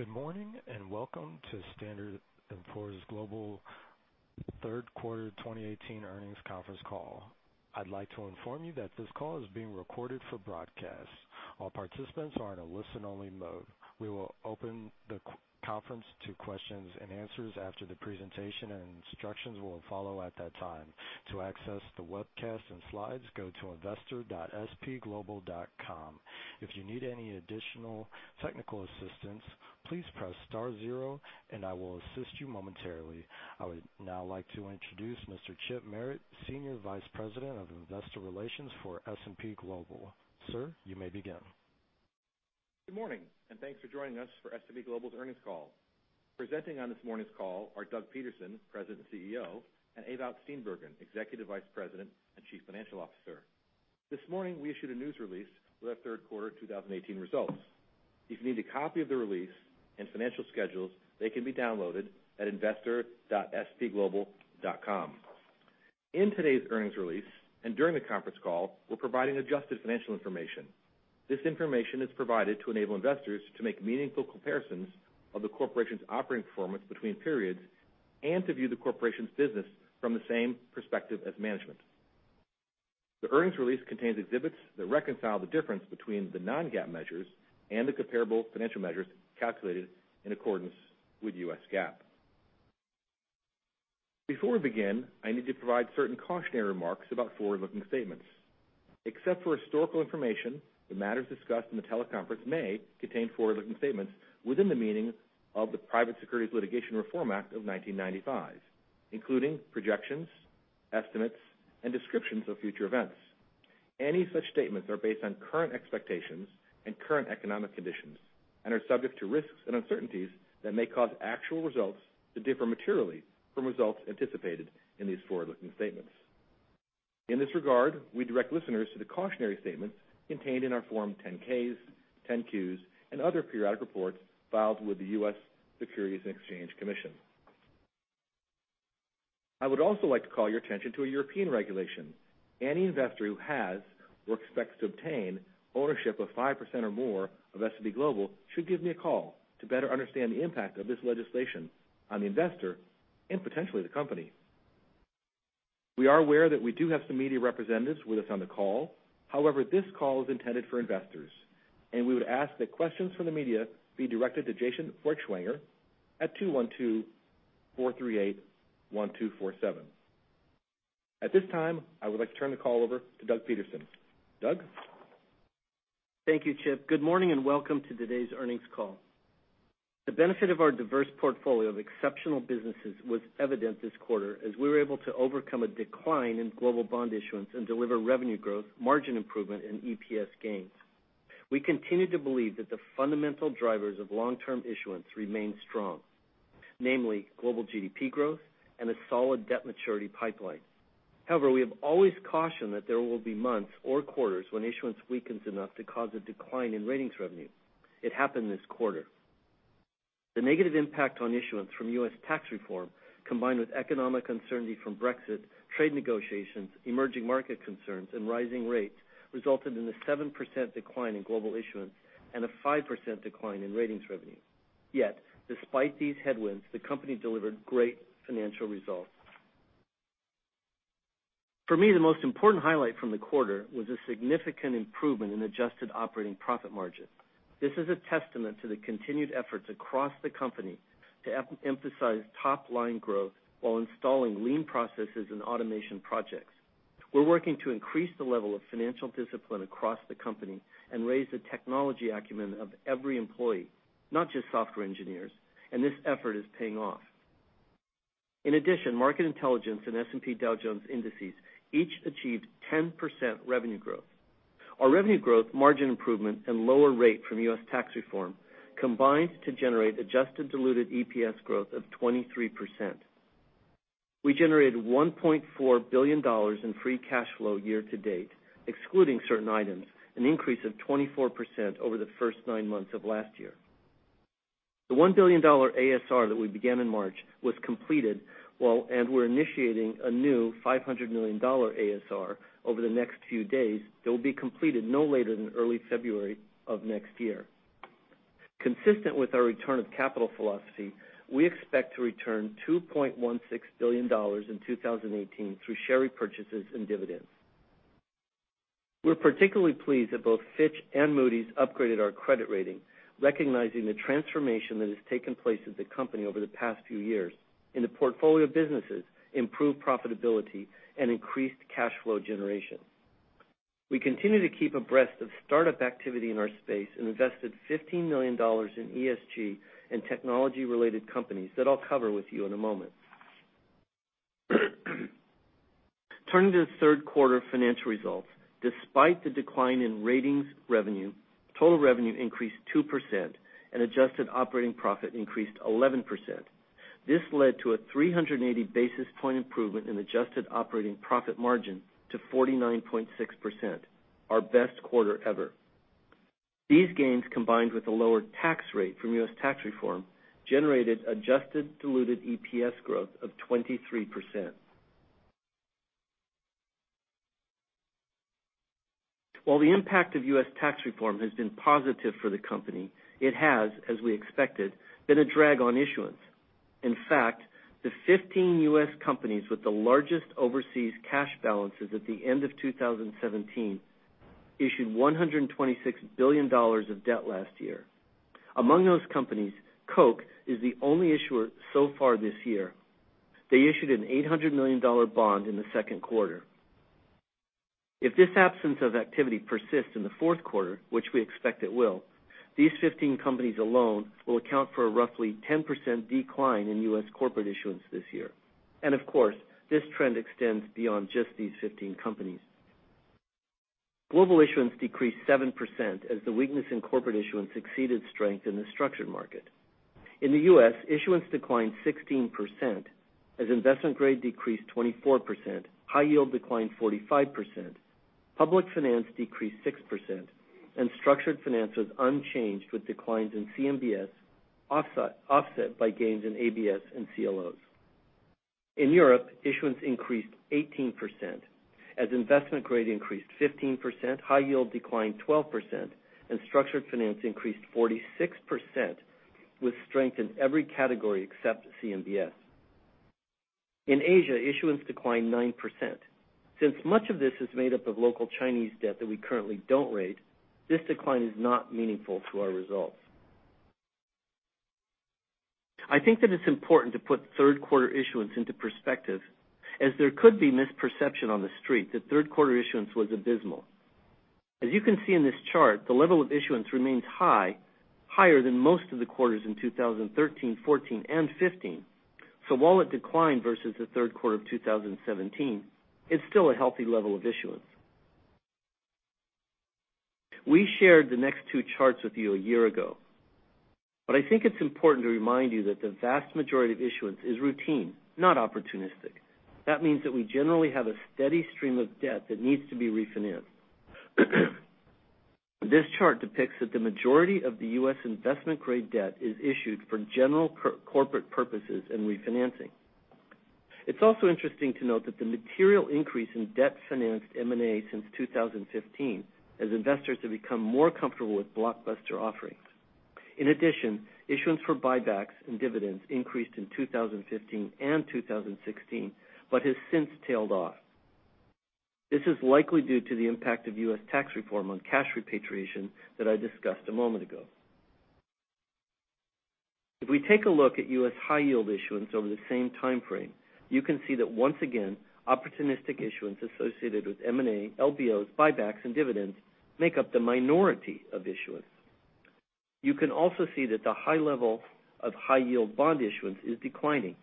Good morning, and welcome to S&P Global third quarter 2018 earnings conference call. I'd like to inform you that this call is being recorded for broadcast. All participants are in a listen-only mode. We will open the conference to questions and answers after the presentation, and instructions will follow at that time. To access the webcast and slides, go to investor.spglobal.com. If you need any additional technical assistance, please press star zero and I will assist you momentarily. I would now like to introduce Mr. Chip Merritt, Senior Vice President of Investor Relations for S&P Global. Sir, you may begin. Good morning and thanks for joining us for S&P Global's earnings call. Presenting on this morning's call are Douglas Peterson, President and CEO, and Ewout Steenbergen, Executive Vice President and Chief Financial Officer. This morning we issued a news release with our third quarter 2018 results. If you need a copy of the release and financial schedules, they can be downloaded at investor.spglobal.com. In today's earnings release, and during the conference call, we're providing adjusted financial information. This information is provided to enable investors to make meaningful comparisons of the corporation's operating performance between periods and to view the corporation's business from the same perspective as management. The earnings release contains exhibits that reconcile the difference between the non-GAAP measures and the comparable financial measures calculated in accordance with U.S. GAAP. Before we begin, I need to provide certain cautionary remarks about forward-looking statements. Except for historical information, the matters discussed in the teleconference may contain forward-looking statements within the meaning of the Private Securities Litigation Reform Act of 1995, including projections, estimates, and descriptions of future events. Any such statements are based on current expectations and current economic conditions and are subject to risks and uncertainties that may cause actual results to differ materially from results anticipated in these forward-looking statements. In this regard, we direct listeners to the cautionary statements contained in our Form 10-Ks, 10-Qs, and other periodic reports filed with the U.S. Securities and Exchange Commission. I would also like to call your attention to a European regulation. Any investor who has or expects to obtain ownership of 5% or more of S&P Global should give me a call to better understand the impact of this legislation on the investor and potentially the company. We are aware that we do have some media representatives with us on the call. However, this call is intended for investors, and we would ask that questions from the media be directed to Jason Feuchtwanger at 212-438-1247. At this time, I would like to turn the call over to Douglas Peterson. Doug? Thank you, Chip. Good morning and welcome to today's earnings call. The benefit of our diverse portfolio of exceptional businesses was evident this quarter as we were able to overcome a decline in global bond issuance and deliver revenue growth, margin improvement, and EPS gains. We continue to believe that the fundamental drivers of long-term issuance remain strong, namely global GDP growth and a solid debt maturity pipeline. However, we have always cautioned that there will be months or quarters when issuance weakens enough to cause a decline in ratings revenue. It happened this quarter. The negative impact on issuance from U.S. tax reform, combined with economic uncertainty from Brexit, trade negotiations, emerging market concerns, and rising rates, resulted in a 7% decline in global issuance and a 5% decline in ratings revenue. Despite these headwinds, the company delivered great financial results. For me, the most important highlight from the quarter was a significant improvement in adjusted operating profit margin. This is a testament to the continued efforts across the company to emphasize top-line growth while installing lean processes and automation projects. We're working to increase the level of financial discipline across the company and raise the technology acumen of every employee, not just software engineers. This effort is paying off. In addition, Market Intelligence and S&P Dow Jones Indices each achieved 10% revenue growth. Our revenue growth margin improvement and lower rate from U.S. tax reform combined to generate adjusted diluted EPS growth of 23%. We generated $1.4 billion in free cash flow year to date, excluding certain items, an increase of 24% over the first nine months of last year. The $1 billion ASR that we began in March was completed. We're initiating a new $500 million ASR over the next few days that will be completed no later than early February of next year. Consistent with our return of capital philosophy, we expect to return $2.16 billion in 2018 through share repurchases and dividends. We're particularly pleased that both Fitch and Moody's upgraded our credit rating, recognizing the transformation that has taken place at the company over the past few years in the portfolio of businesses, improved profitability, and increased cash flow generation. We continue to keep abreast of startup activity in our space and invested $15 million in ESG and technology-related companies that I'll cover with you in a moment. Turning to the third quarter financial results, despite the decline in ratings revenue, total revenue increased 2% and adjusted operating profit increased 11%. This led to a 380-basis point improvement in adjusted operating profit margin to 49.6%, our best quarter ever. These gains, combined with a lower tax rate from U.S. tax reform, generated adjusted diluted EPS growth of 23%. The impact of U.S. tax reform has been positive for the company, it has, as we expected, been a drag on issuance. In fact, the 15 U.S. companies with the largest overseas cash balances at the end of 2017 issued $126 billion of debt last year. Among those companies, Coke is the only issuer so far this year. They issued an $800 million bond in the second quarter. If this absence of activity persists in the fourth quarter, which we expect it will, these 15 companies alone will account for a roughly 10% decline in U.S. corporate issuance this year. Of course, this trend extends beyond just these 15 companies. Global issuance decreased 7% as the weakness in corporate issuance exceeded strength in the structured market. In the U.S., issuance declined 16% as investment grade decreased 24%, high yield declined 45%, public finance decreased 6%, and structured finance was unchanged with declines in CMBS offset by gains in ABS and CLOs. In Europe, issuance increased 18% as investment grade increased 15%, high yield declined 12%, and structured finance increased 46% with strength in every category except CMBS. In Asia, issuance declined 9%. Since much of this is made up of local Chinese debt that we currently don't rate, this decline is not meaningful to our results. I think that it's important to put third quarter issuance into perspective as there could be misperception on the street that third quarter issuance was abysmal. As you can see in this chart, the level of issuance remains high, higher than most of the quarters in 2013, 2014, and 2015. While it declined versus the third quarter of 2017, it's still a healthy level of issuance. We shared the next two charts with you a year ago. I think it's important to remind you that the vast majority of issuance is routine, not opportunistic. That means that we generally have a steady stream of debt that needs to be refinanced. This chart depicts that the majority of the U.S. investment grade debt is issued for general corporate purposes and refinancing. It's also interesting to note that the material increase in debt financed M&A since 2015 as investors have become more comfortable with blockbuster offerings. In addition, issuance for buybacks and dividends increased in 2015 and 2016, but has since tailed off. This is likely due to the impact of U.S. tax reform on cash repatriation that I discussed a moment ago. If we take a look at U.S. high yield issuance over the same time frame, you can see that once again, opportunistic issuance associated with M&A, LBOs, buybacks, and dividends make up the minority of issuance. You can also see that the high level of high yield bond issuance is declining.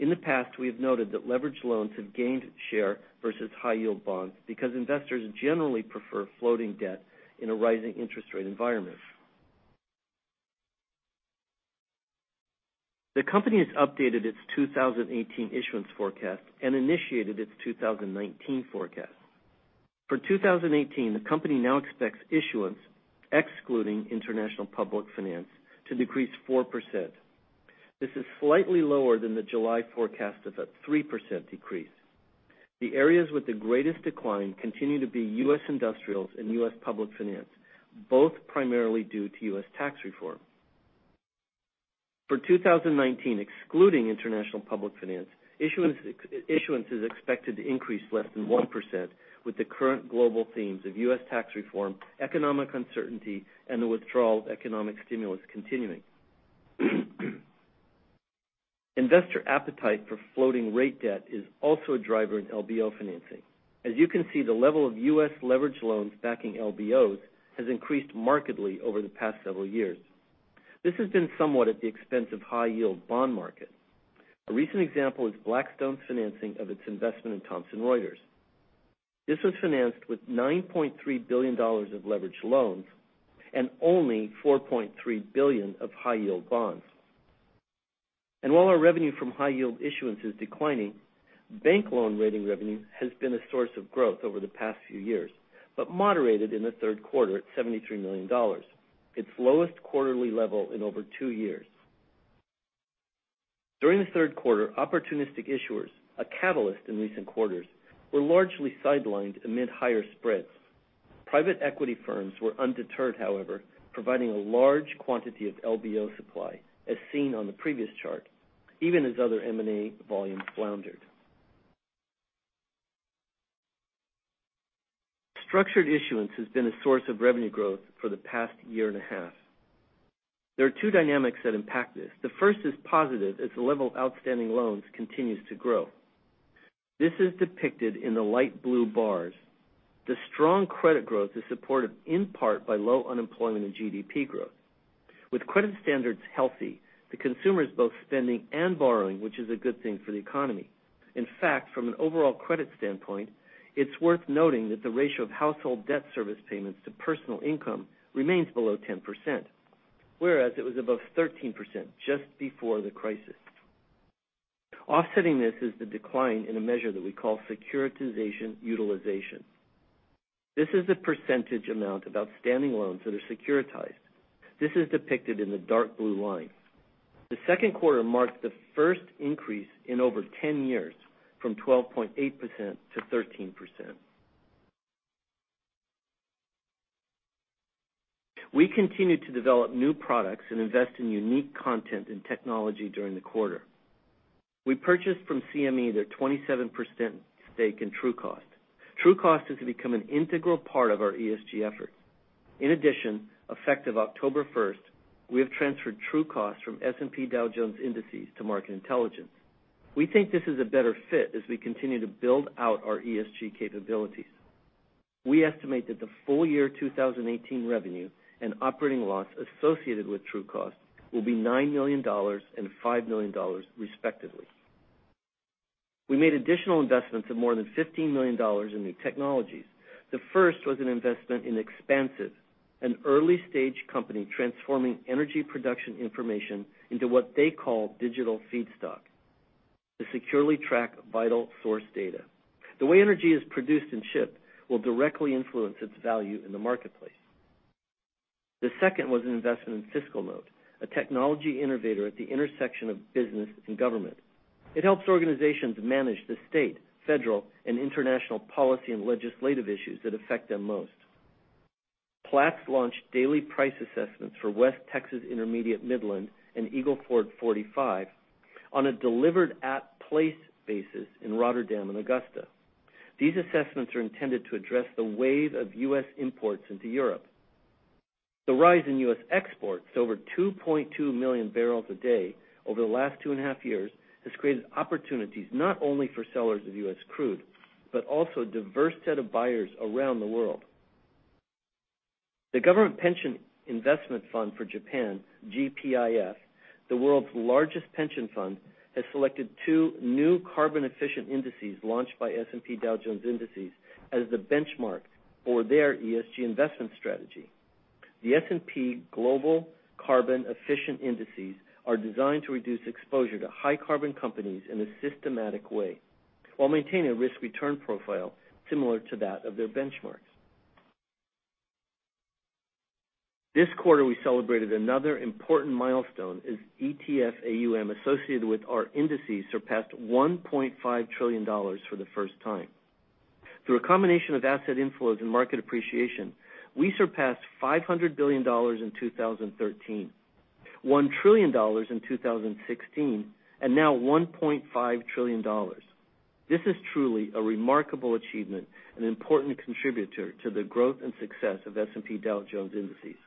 In the past, we have noted that leveraged loans have gained share versus high yield bonds because investors generally prefer floating debt in a rising interest rate environment. The company has updated its 2018 issuance forecast and initiated its 2019 forecast. For 2018, the company now expects issuance, excluding international public finance, to decrease 4%. This is slightly lower than the July forecast of a 3% decrease. The areas with the greatest decline continue to be U.S. industrials and U.S. public finance, both primarily due to U.S. tax reform. For 2019, excluding international public finance, issuance is expected to increase less than 1% with the current global themes of U.S. tax reform, economic uncertainty, and the withdrawal of economic stimulus continuing. Investor appetite for floating rate debt is also a driver in LBO financing. As you can see, the level of U.S. leverage loans backing LBOs has increased markedly over the past several years. This has been somewhat at the expense of high yield bond market. A recent example is Blackstone's financing of its investment in Thomson Reuters. This was financed with $9.3 billion of leveraged loans and only $4.3 billion of high yield bonds. While our revenue from high yield issuance is declining, bank loan rating revenue has been a source of growth over the past few years, but moderated in the third quarter at $73 million, its lowest quarterly level in over two years. During the third quarter, opportunistic issuers, a catalyst in recent quarters, were largely sidelined amid higher spreads. Private equity firms were undeterred, however, providing a large quantity of LBO supply, as seen on the previous chart, even as other M&A volume floundered. Structured issuance has been a source of revenue growth for the past year and a half. There are two dynamics that impact this. The first is positive, as the level of outstanding loans continues to grow. This is depicted in the light blue bars. The strong credit growth is supported in part by low unemployment and GDP growth. With credit standards healthy, the consumer is both spending and borrowing, which is a good thing for the economy. In fact, from an overall credit standpoint, it is worth noting that the ratio of household debt service payments to personal income remains below 10%, whereas it was above 13% just before the crisis. Offsetting this is the decline in a measure that we call securitization utilization. This is the percentage amount of outstanding loans that are securitized. This is depicted in the dark blue line. The second quarter marked the first increase in over 10 years, from 12.8% to 13%. We continued to develop new products and invest in unique content and technology during the quarter. We purchased from CME their 27% stake in Trucost. Trucost has become an integral part of our ESG efforts. In addition, effective October 1st, we have transferred Trucost from S&P Dow Jones Indices to Market Intelligence. We think this is a better fit as we continue to build out our ESG capabilities. We estimate that the full year 2018 revenue and operating loss associated with Trucost will be $9 million and $5 million, respectively. We made additional investments of more than $15 million in new technologies. The first was an investment in Xpansiv, an early-stage company transforming energy production information into what they call Digital Feedstock to securely track vital source data. The way energy is produced and shipped will directly influence its value in the marketplace. The second was an investment in FiscalNote, a technology innovator at the intersection of business and government. It helps organizations manage the state, federal, and international policy and legislative issues that affect them most. Platts launched daily price assessments for West Texas Intermediate Midland and Eagle Ford 45 on a Delivered at Place basis in Rotterdam and Augusta. These assessments are intended to address the wave of U.S. imports into Europe. The rise in U.S. exports over 2.2 million barrels a day over the last two and a half years has created opportunities not only for sellers of U.S. crude, but also a diverse set of buyers around the world. The Government Pension Investment Fund for Japan, GPIF, the world's largest pension fund, has selected two new carbon-efficient indices launched by S&P Dow Jones Indices as the benchmark for their ESG investment strategy. The S&P Global Carbon Efficient Indices are designed to reduce exposure to high carbon companies in a systematic way, while maintaining a risk-return profile similar to that of their benchmarks. This quarter, we celebrated another important milestone as ETF AUM associated with our indices surpassed $1.5 trillion for the first time. Through a combination of asset inflows and market appreciation, we surpassed $500 billion in 2013, $1 trillion in 2016, and now $1.5 trillion. This is truly a remarkable achievement, an important contributor to the growth and success of S&P Dow Jones Indices.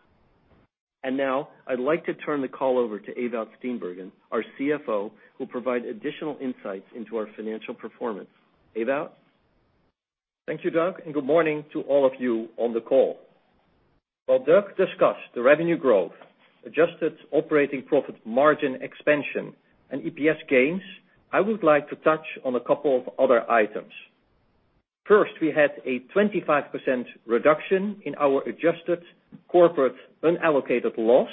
Now I'd like to turn the call over to Ewout Steenbergen, our CFO, who'll provide additional insights into our financial performance. Ewout? Thank you, Doug, and good morning to all of you on the call. While Doug discussed the revenue growth, adjusted operating profit margin expansion, and EPS gains, I would like to touch on a couple of other items. First, we had a 25% reduction in our adjusted corporate unallocated loss.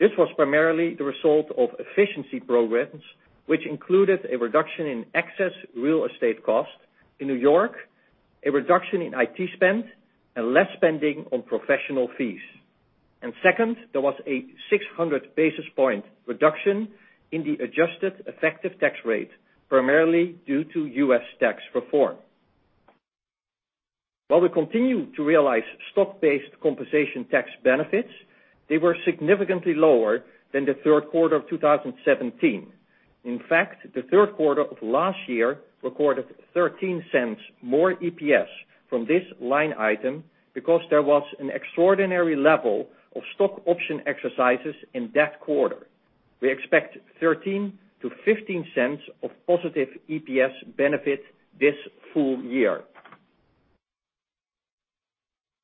This was primarily the result of efficiency programs, which included a reduction in excess real estate costs in N.Y., a reduction in IT spend, and less spending on professional fees. Second, there was a 600-basis point reduction in the adjusted effective tax rate, primarily due to U.S. tax reform. While we continue to realize stock-based compensation tax benefits, they were significantly lower than the third quarter of 2017. In fact, the third quarter of last year recorded $0.13 more EPS from this line item because there was an extraordinary level of stock option exercises in that quarter. We expect $0.13-$0.15 of positive EPS benefit this full year.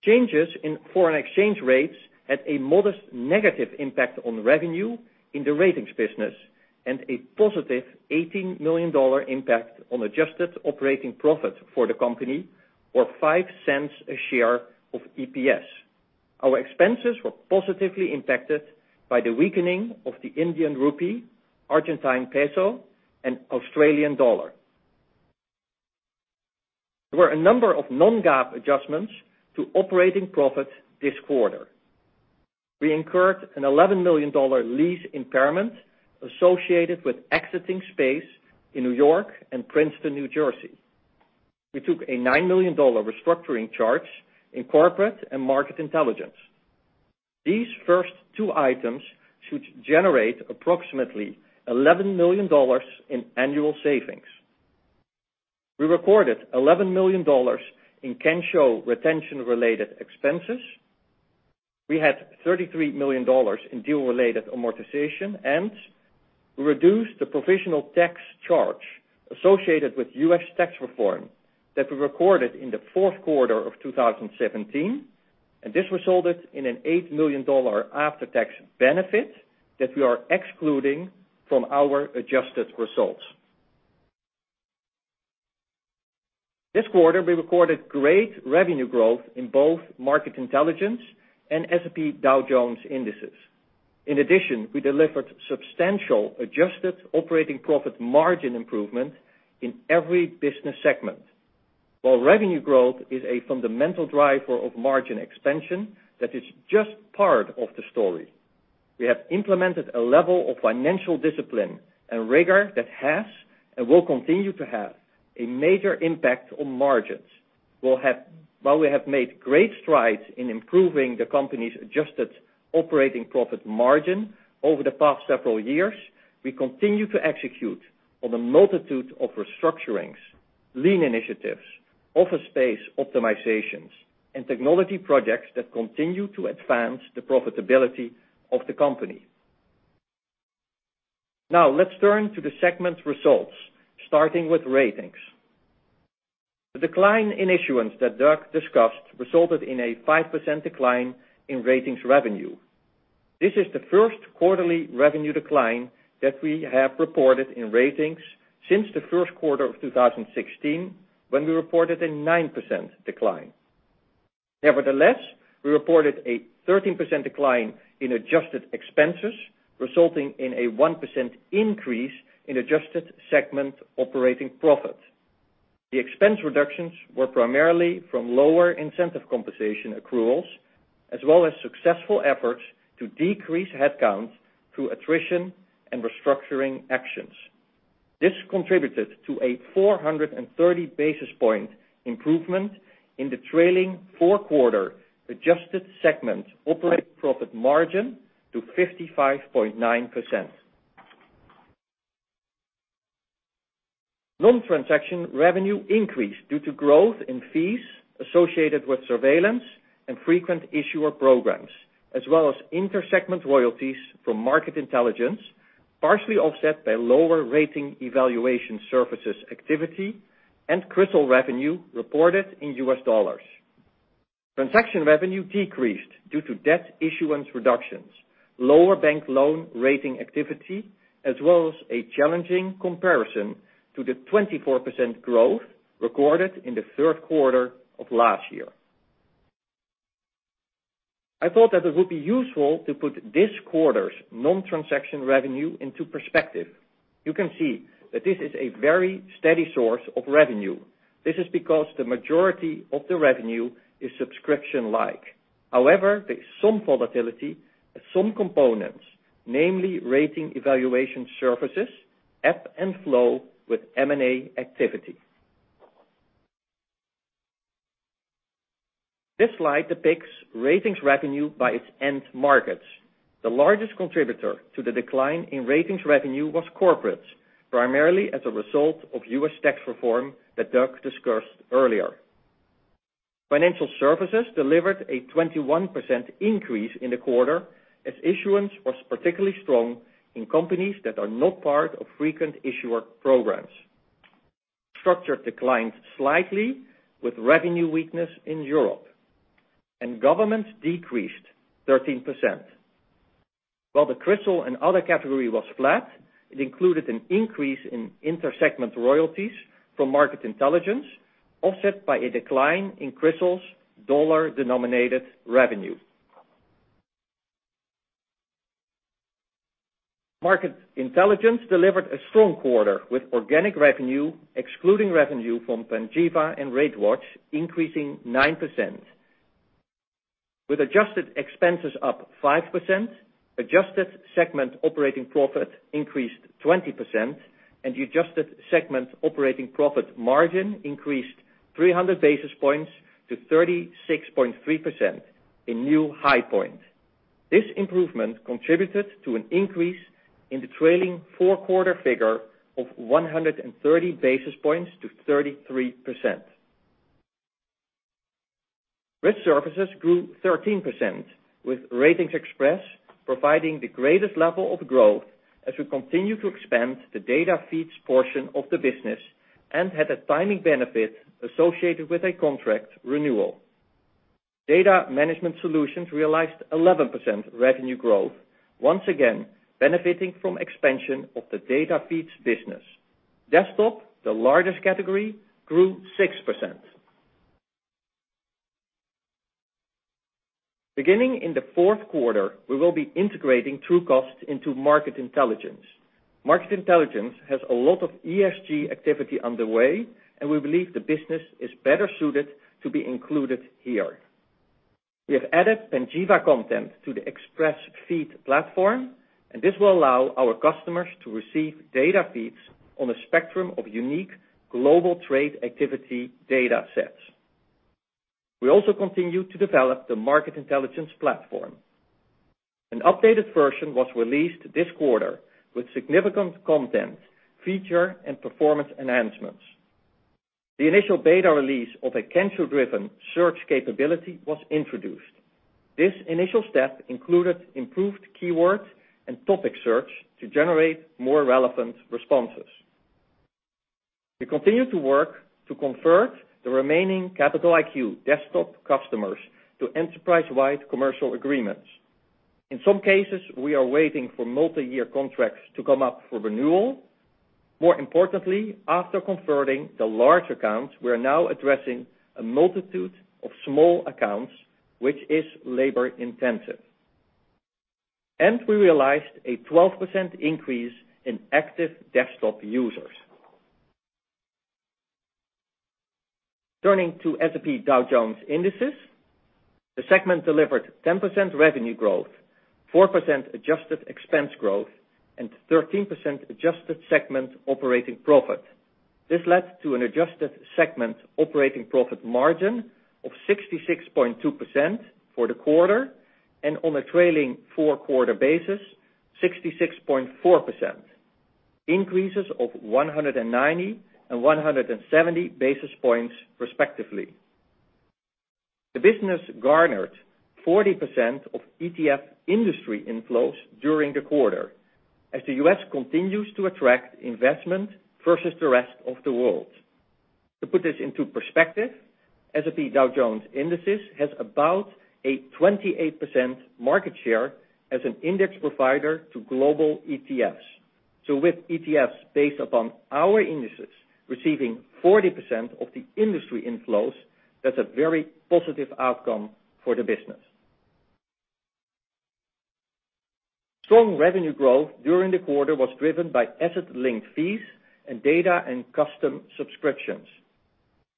Changes in foreign exchange rates had a modest negative impact on revenue in the ratings business, and a positive $18 million impact on adjusted operating profit for the company, or $0.05 a share of EPS. Our expenses were positively impacted by the weakening of the Indian rupee, Argentine peso, and Australian dollar. There were a number of non-GAAP adjustments to operating profit this quarter. We incurred an $11 million lease impairment associated with exiting space in N.Y. and Princeton, New Jersey. We took a $9 million restructuring charge in Corporate and Market Intelligence. These first two items should generate approximately $11 million in annual savings. We recorded $11 million in Kensho retention-related expenses. We had $33 million in deal-related amortization. We reduced the provisional tax charge associated with U.S. tax reform that we recorded in the fourth quarter of 2017, and this resulted in an $8 million after-tax benefit that we are excluding from our adjusted results. This quarter, we recorded great revenue growth in both Market Intelligence and S&P Dow Jones Indices. In addition, we delivered substantial adjusted operating profit margin improvement in every business segment. While revenue growth is a fundamental driver of margin expansion, that is just part of the story. We have implemented a level of financial discipline and rigor that has and will continue to have a major impact on margins. While we have made great strides in improving the company's adjusted operating profit margin over the past several years, we continue to execute on a multitude of restructurings, lean initiatives, office space optimizations, and technology projects that continue to advance the profitability of the company. Now, let's turn to the segment results, starting with Ratings. The decline in issuance that Doug discussed resulted in a 5% decline in Ratings revenue. This is the first quarterly revenue decline that we have reported in Ratings since the first quarter of 2016, when we reported a 9% decline. Nevertheless, we reported a 13% decline in adjusted expenses, resulting in a 1% increase in adjusted segment operating profit. The expense reductions were primarily from lower incentive compensation accruals, as well as successful efforts to decrease headcount through attrition and restructuring actions. This contributed to a 430 basis point improvement in the trailing four-quarter adjusted segment operating profit margin to 55.9%. Non-transaction revenue increased due to growth in fees associated with surveillance and frequent issuer programs, as well as inter-segment royalties from Market Intelligence, partially offset by lower Ratings evaluation services activity and CRISIL revenue reported in U.S. dollars. Transaction revenue decreased due to debt issuance reductions, lower bank loan rating activity, as well as a challenging comparison to the 24% growth recorded in the third quarter of last year. I thought that it would be useful to put this quarter's non-transaction revenue into perspective. You can see that this is a very steady source of revenue. This is because the majority of the revenue is subscription-like. However, there is some volatility as some components, namely Ratings evaluation services, ebb and flow with M&A activity. This slide depicts Ratings revenue by its end markets. The largest contributor to the decline in Ratings revenue was Corporates, primarily as a result of U.S. tax reform that Doug discussed earlier. Financial Services delivered a 21% increase in the quarter as issuance was particularly strong in companies that are not part of frequent issuer programs. Structured declined slightly with revenue weakness in Europe, and Governments decreased 13%. While the CRISIL and other category was flat, it included an increase in inter-segment royalties from Market Intelligence, offset by a decline in CRISIL's dollar-denominated revenue. Market Intelligence delivered a strong quarter with organic revenue, excluding revenue from Panjiva and RateWatch, increasing 9%. With adjusted expenses up 5%, adjusted segment operating profit increased 20% and the adjusted segment operating profit margin increased 300 basis points to 36.3%, a new high point. This improvement contributed to an increase in the trailing four-quarter figure of 130 basis points to 33%. Risk Services grew 13%, with RatingsXpress providing the greatest level of growth as we continue to expand the data feeds portion of the business and had a timing benefit associated with a contract renewal. Data Management Solutions realized 11% revenue growth, once again, benefiting from expansion of the data feeds business. Desktop, the largest category, grew 6%. Beginning in the fourth quarter, we will be integrating Trucost into Market Intelligence. Market Intelligence has a lot of ESG activity underway, and we believe the business is better suited to be included here. We have added Panjiva content to the Xpressfeed platform, and this will allow our customers to receive data feeds on a spectrum of unique global trade activity data sets. We also continue to develop the Market Intelligence platform. An updated version was released this quarter with significant content, feature, and performance enhancements. The initial beta release of a Kensho-driven search capability was introduced. This initial step included improved keyword and topic search to generate more relevant responses. We continue to work to convert the remaining Capital IQ desktop customers to enterprise-wide commercial agreements. In some cases, we are waiting for multi-year contracts to come up for renewal. More importantly, after converting the large accounts, we are now addressing a multitude of small accounts, which is labor-intensive. We realized a 12% increase in active desktop users. Turning to S&P Dow Jones Indices, the segment delivered 10% revenue growth, 4% adjusted expense growth, and 13% adjusted segment operating profit. This led to an adjusted segment operating profit margin of 66.2% for the quarter, and on a trailing four-quarter basis, 66.4%, increases of 190 and 170 basis points respectively. The business garnered 40% of ETF industry inflows during the quarter, as the U.S. continues to attract investment versus the rest of the world. To put this into perspective, S&P Dow Jones Indices has about a 28% market share as an index provider to global ETFs. With ETFs based upon our indices receiving 40% of the industry inflows, that's a very positive outcome for the business. Strong revenue growth during the quarter was driven by asset linked fees and data and custom subscriptions.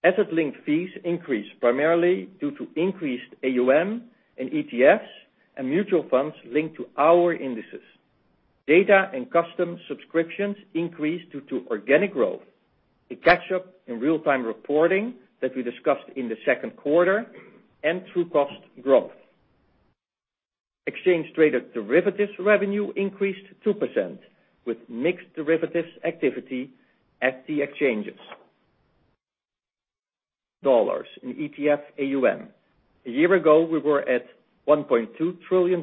Asset linked fees increased primarily due to increased AUM in ETFs and mutual funds linked to our indices. Data and custom subscriptions increased due to organic growth, a catch-up in real-time reporting that we discussed in the second quarter, and Trucost growth. Exchange-traded derivatives revenue increased 2%, with mixed derivatives activity at the exchanges. $ in ETF AUM. A year ago, we were at $1.2 trillion,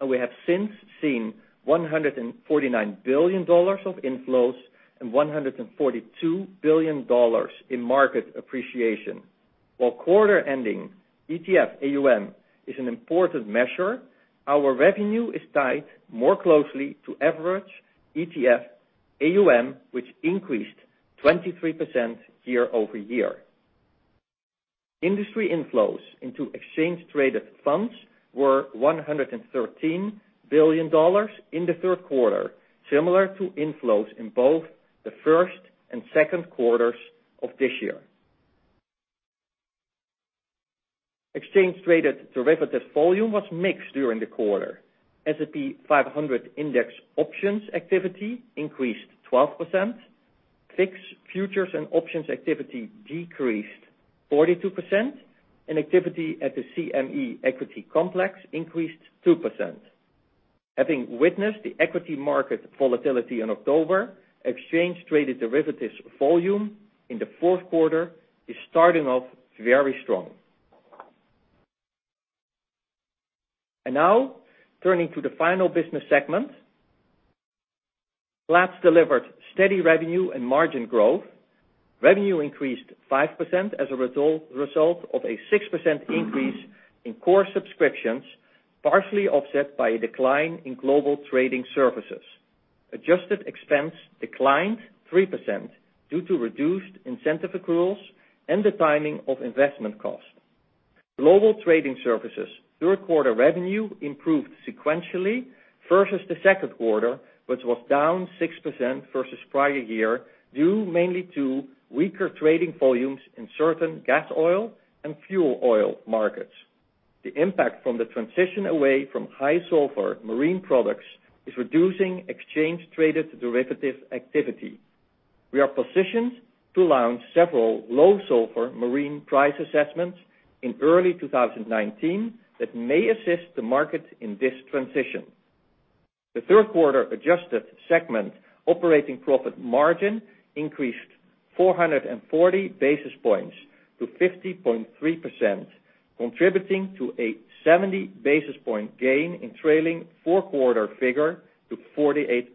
and we have since seen $149 billion of inflows and $142 billion in market appreciation. While quarter-ending ETF AUM is an important measure, our revenue is tied more closely to average ETF AUM, which increased 23% year-over-year. Industry inflows into exchange-traded funds were $113 billion in the third quarter, similar to inflows in both the first and second quarters of this year. Exchange-traded derivatives volume was mixed during the quarter. S&P 500 index options activity increased 12%, VIX futures and options activity decreased 42%, and activity at the CME equity complex increased 2%. Having witnessed the equity market volatility in October, exchange-traded derivatives volume in the fourth quarter is starting off very strong. Now, turning to the final business segment. Platts delivered steady revenue and margin growth. Revenue increased 5% as a result of a 6% increase in core subscriptions, partially offset by a decline in Global Trading Services. Adjusted expense declined 3% due to reduced incentive accruals and the timing of investment costs. Global Trading Services third quarter revenue improved sequentially versus the second quarter, which was down 6% versus prior year, due mainly to weaker trading volumes in certain gas oil and fuel oil markets. The impact from the transition away from high sulfur marine products is reducing exchange-traded derivatives activity. We are positioned to launch several low sulfur marine price assessments in early 2019 that may assist the market in this transition. The third quarter adjusted segment operating profit margin increased 440 basis points to 50.3%, contributing to a 70-basis-point gain in trailing four-quarter figure to 48%.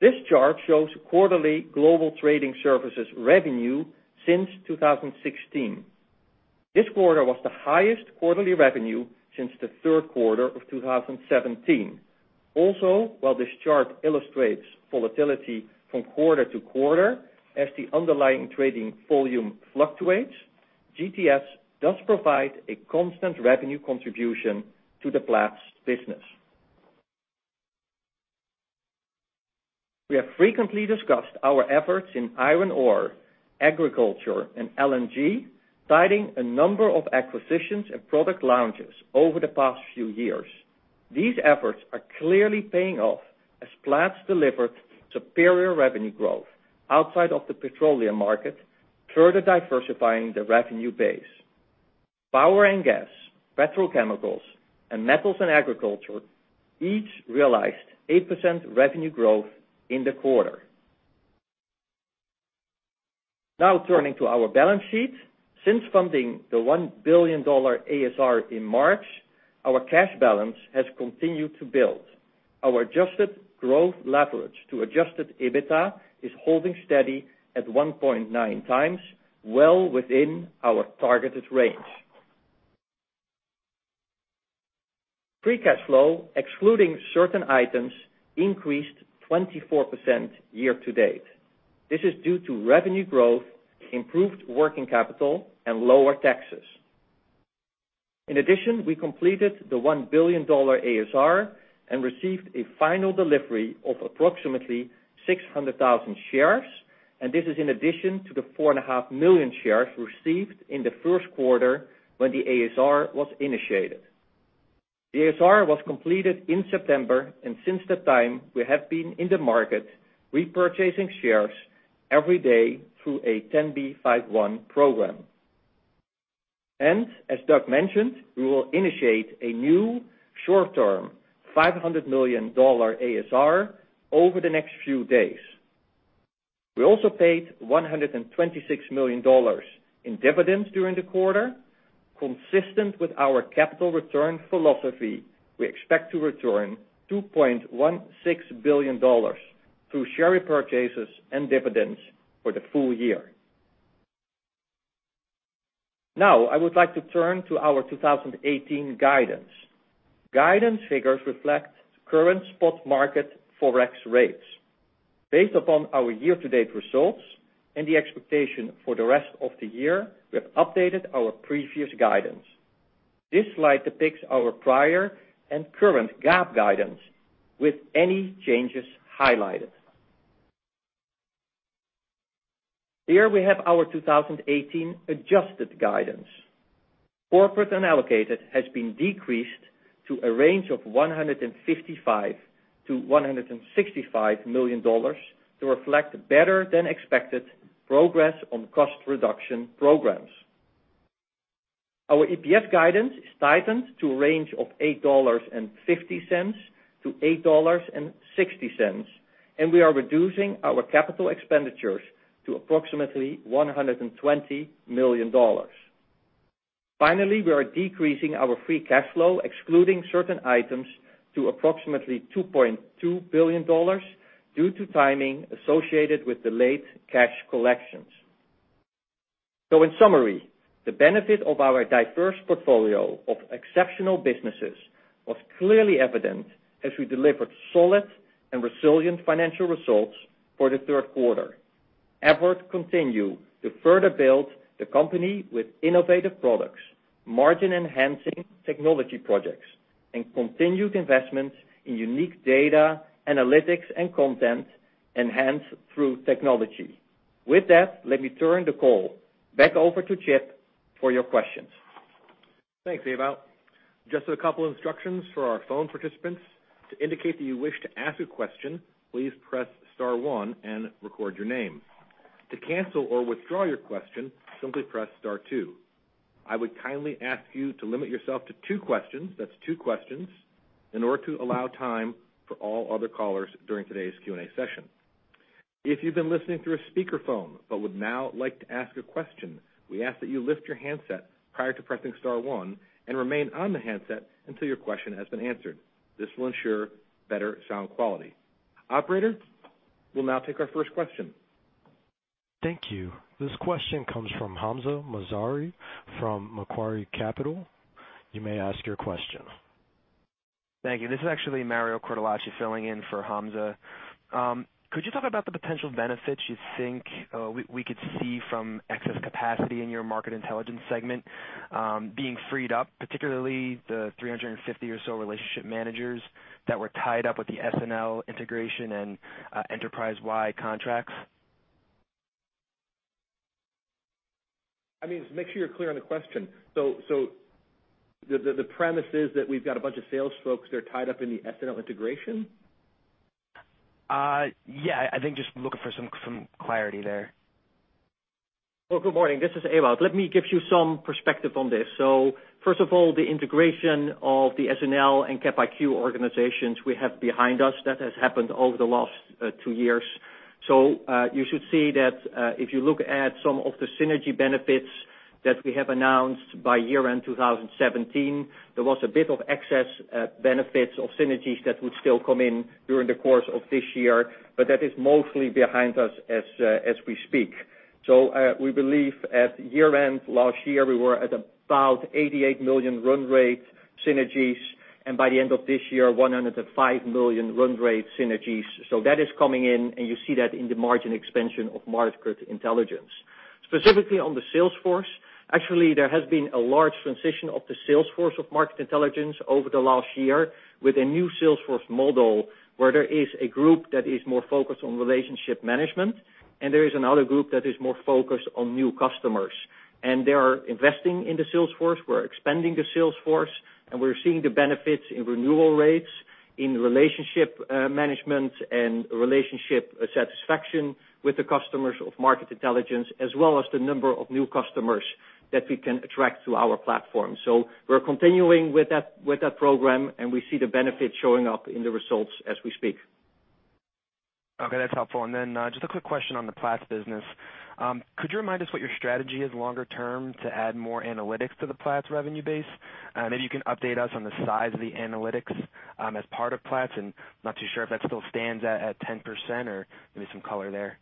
This chart shows quarterly Global Trading Services revenue since 2016. This quarter was the highest quarterly revenue since the third quarter of 2017. While this chart illustrates volatility from quarter to quarter as the underlying trading volume fluctuates, GTS does provide a constant revenue contribution to the Platts business. We have frequently discussed our efforts in iron ore, agriculture, and LNG, citing a number of acquisitions and product launches over the past few years. These efforts are clearly paying off as Platts delivered superior revenue growth outside of the petroleum market, further diversifying the revenue base. Power and gas, petrochemicals, and metals and agriculture each realized 8% revenue growth in the quarter. Turning to our balance sheet. Since funding the $1 billion ASR in March, our cash balance has continued to build. Our adjusted growth leverage to adjusted EBITDA is holding steady at 1.9 times, well within our targeted range. Free cash flow, excluding certain items, increased 24% year to date. This is due to revenue growth, improved working capital, and lower taxes. In addition, we completed the $1 billion ASR and received a final delivery of approximately 600,000 shares. This is in addition to the 4.5 million shares received in the first quarter when the ASR was initiated. The ASR was completed in September. Since that time, we have been in the market repurchasing shares every day through a 10b5-1 program. As Doug mentioned, we will initiate a new short-term $500 million ASR over the next few days. We also paid $126 million in dividends during the quarter. Consistent with our capital return philosophy, we expect to return $2.16 billion through share repurchases and dividends for the full year. I would like to turn to our 2018 guidance. Guidance figures reflect current spot market Forex rates. Based upon our year-to-date results and the expectation for the rest of the year, we have updated our previous guidance. This slide depicts our prior and current GAAP guidance with any changes highlighted. Here we have our 2018 adjusted guidance. Corporate unallocated has been decreased to a range of $155 million-$165 million to reflect better-than-expected progress on cost reduction programs. Our EPS guidance is tightened to a range of $8.50-$8.60. We are reducing our capital expenditures to approximately $120 million. Finally, we are decreasing our free cash flow, excluding certain items, to approximately $2.2 billion due to timing associated with delayed cash collections. In summary, the benefit of our diverse portfolio of exceptional businesses was clearly evident as we delivered solid and resilient financial results for the third quarter. Efforts continue to further build the company with innovative products, margin-enhancing technology projects, and continued investments in unique data analytics and content enhanced through technology. With that, let me turn the call back over to Chip for your questions. Thanks, Ewout. Just a couple instructions for our phone participants. To indicate that you wish to ask a question, please press star 1 and record your name. To cancel or withdraw your question, simply press star 2. I would kindly ask you to limit yourself to 2 questions. That's 2 questions, in order to allow time for all other callers during today's Q&A session. If you've been listening through a speakerphone but would now like to ask a question, we ask that you lift your handset prior to pressing star 1 and remain on the handset until your question has been answered. This will ensure better sound quality. Operator, we'll now take our first question. Thank you. This question comes from Hamza Mazari from Macquarie Capital. You may ask your question. Thank you. This is actually Mario Cortellacci filling in for Hamza. Could you talk about the potential benefits you think we could see from excess capacity in your Market Intelligence segment being freed up, particularly the 350 or so relationship managers that were tied up with the SNL integration and enterprise-wide contracts? Just make sure you're clear on the question. The premise is that we've got a bunch of sales folks that are tied up in the SNL integration? Yeah. I think just looking for some clarity there. Well, good morning. This is Ewout. Let me give you some perspective on this. First of all, the integration of the SNL and Cap IQ organizations we have behind us, that has happened over the last two years. You should see that if you look at some of the synergy benefits that we have announced by year-end 2017, there was a bit of excess benefits of synergies that would still come in during the course of this year, but that is mostly behind us as we speak. We believe at year-end last year, we were at about $88 million run rate synergies, and by the end of this year, $105 million run rate synergies. That is coming in, and you see that in the margin expansion of Market Intelligence. Specifically on the sales force, actually, there has been a large transition of the sales force of Market Intelligence over the last year with a new sales force model where there is a group that is more focused on relationship management, and there is another group that is more focused on new customers. They are investing in the sales force. We're expanding the sales force, and we're seeing the benefits in renewal rates, in relationship management, and relationship satisfaction with the customers of Market Intelligence, as well as the number of new customers that we can attract to our platform. We're continuing with that program, and we see the benefits showing up in the results as we speak. Okay. That's helpful. Just a quick question on the Platts business. Could you remind us what your strategy is longer term to add more analytics to the Platts revenue base? Maybe you can update us on the size of the analytics as part of Platts, and not too sure if that still stands at 10% or give me some color there.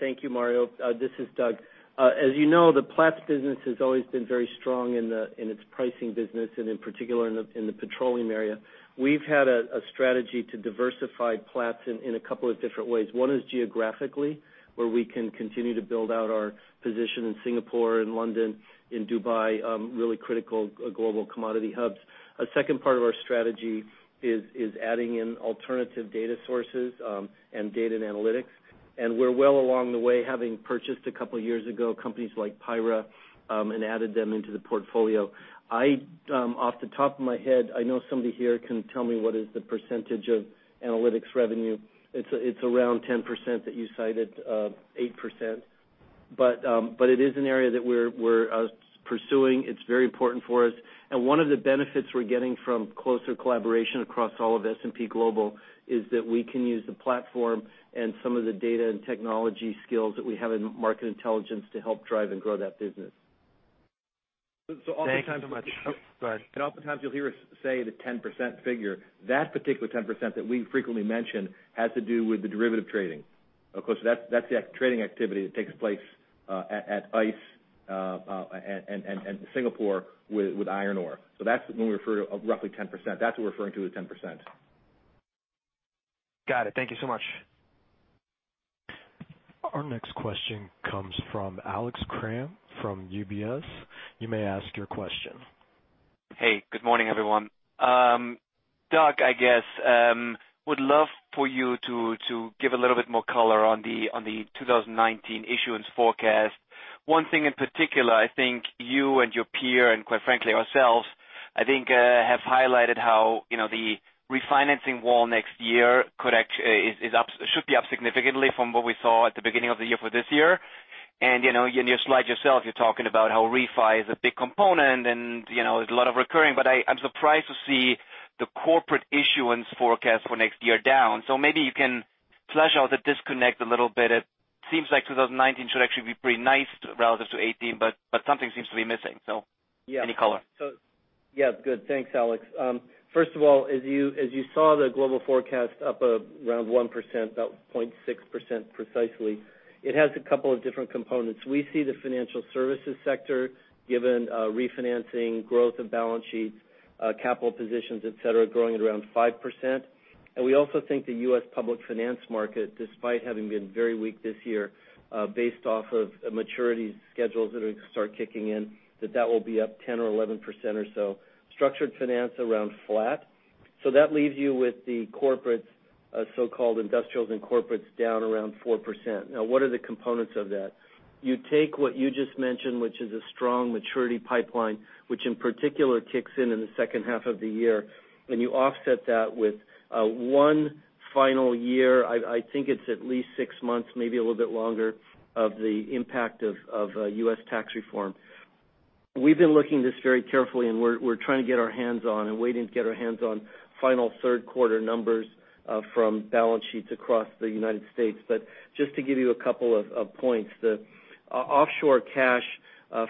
Thank you, Mario. This is Doug. As you know, the Platts business has always been very strong in its pricing business, and in particular, in the petroleum area. We've had a strategy to diversify Platts in a couple of different ways. One is geographically, where we can continue to build out our position in Singapore and London, in Dubai, really critical global commodity hubs. A second part of our strategy is adding in alternative data sources, and data and analytics. We're well along the way, having purchased a couple of years ago, companies like PIRA, and added them into the portfolio. Off the top of my head, I know somebody here can tell me what is the percentage of analytics revenue. It's around 10% that you cited, 8%. It is an area that we're pursuing. It's very important for us. One of the benefits we're getting from closer collaboration across all of S&P Global is that we can use the platform and some of the data and technology skills that we have in market intelligence to help drive and grow that business. Thank you so much. Go ahead. Oftentimes you'll hear us say the 10% figure. That particular 10% that we frequently mention has to do with the derivative trading. Of course, that's the trading activity that takes place at ICE, and Singapore with iron ore. That's when we refer to roughly 10%. That's what we're referring to with 10%. Got it. Thank you so much. Our next question comes from Alex Kramm from UBS. You may ask your question. Hey, good morning, everyone. Doug, I guess, would love for you to give a little bit more color on the 2019 issuance forecast. One thing in particular, I think you and your peer, and quite frankly, ourselves, I think, have highlighted how the refinancing wall next year should be up significantly from what we saw at the beginning of the year for this year. In your slide yourself, you're talking about how refi is a big component, and there's a lot of recurring. I'm surprised to see the corporate issuance forecast for next year down. Maybe you can flesh out the disconnect a little bit. It seems like 2019 should actually be pretty nice relative to 2018, but something seems to be missing. Any color. Yeah. Good. Thanks, Alex. First of all, as you saw the global forecast up around 1%, about 0.6% precisely, it has a couple of different components. We see the financial services sector, given refinancing, growth of balance sheets, capital positions, et cetera, growing at around 5%. We also think the U.S. public finance market, despite having been very weak this year, based off of maturity schedules that are going to start kicking in, that that will be up 10 or 11% or so. Structured finance around flat. That leaves you with the corporate, so-called industrials and corporates down around 4%. What are the components of that? You take what you just mentioned, which is a strong maturity pipeline, which in particular kicks in in the second half of the year, and you offset that with one final year, I think it's at least six months, maybe a little bit longer, of the impact of U.S. tax reform. We've been looking at this very carefully, and we're trying to get our hands on, and waiting to get our hands on final third quarter numbers from balance sheets across the United States. Just to give you a couple of points, the offshore cash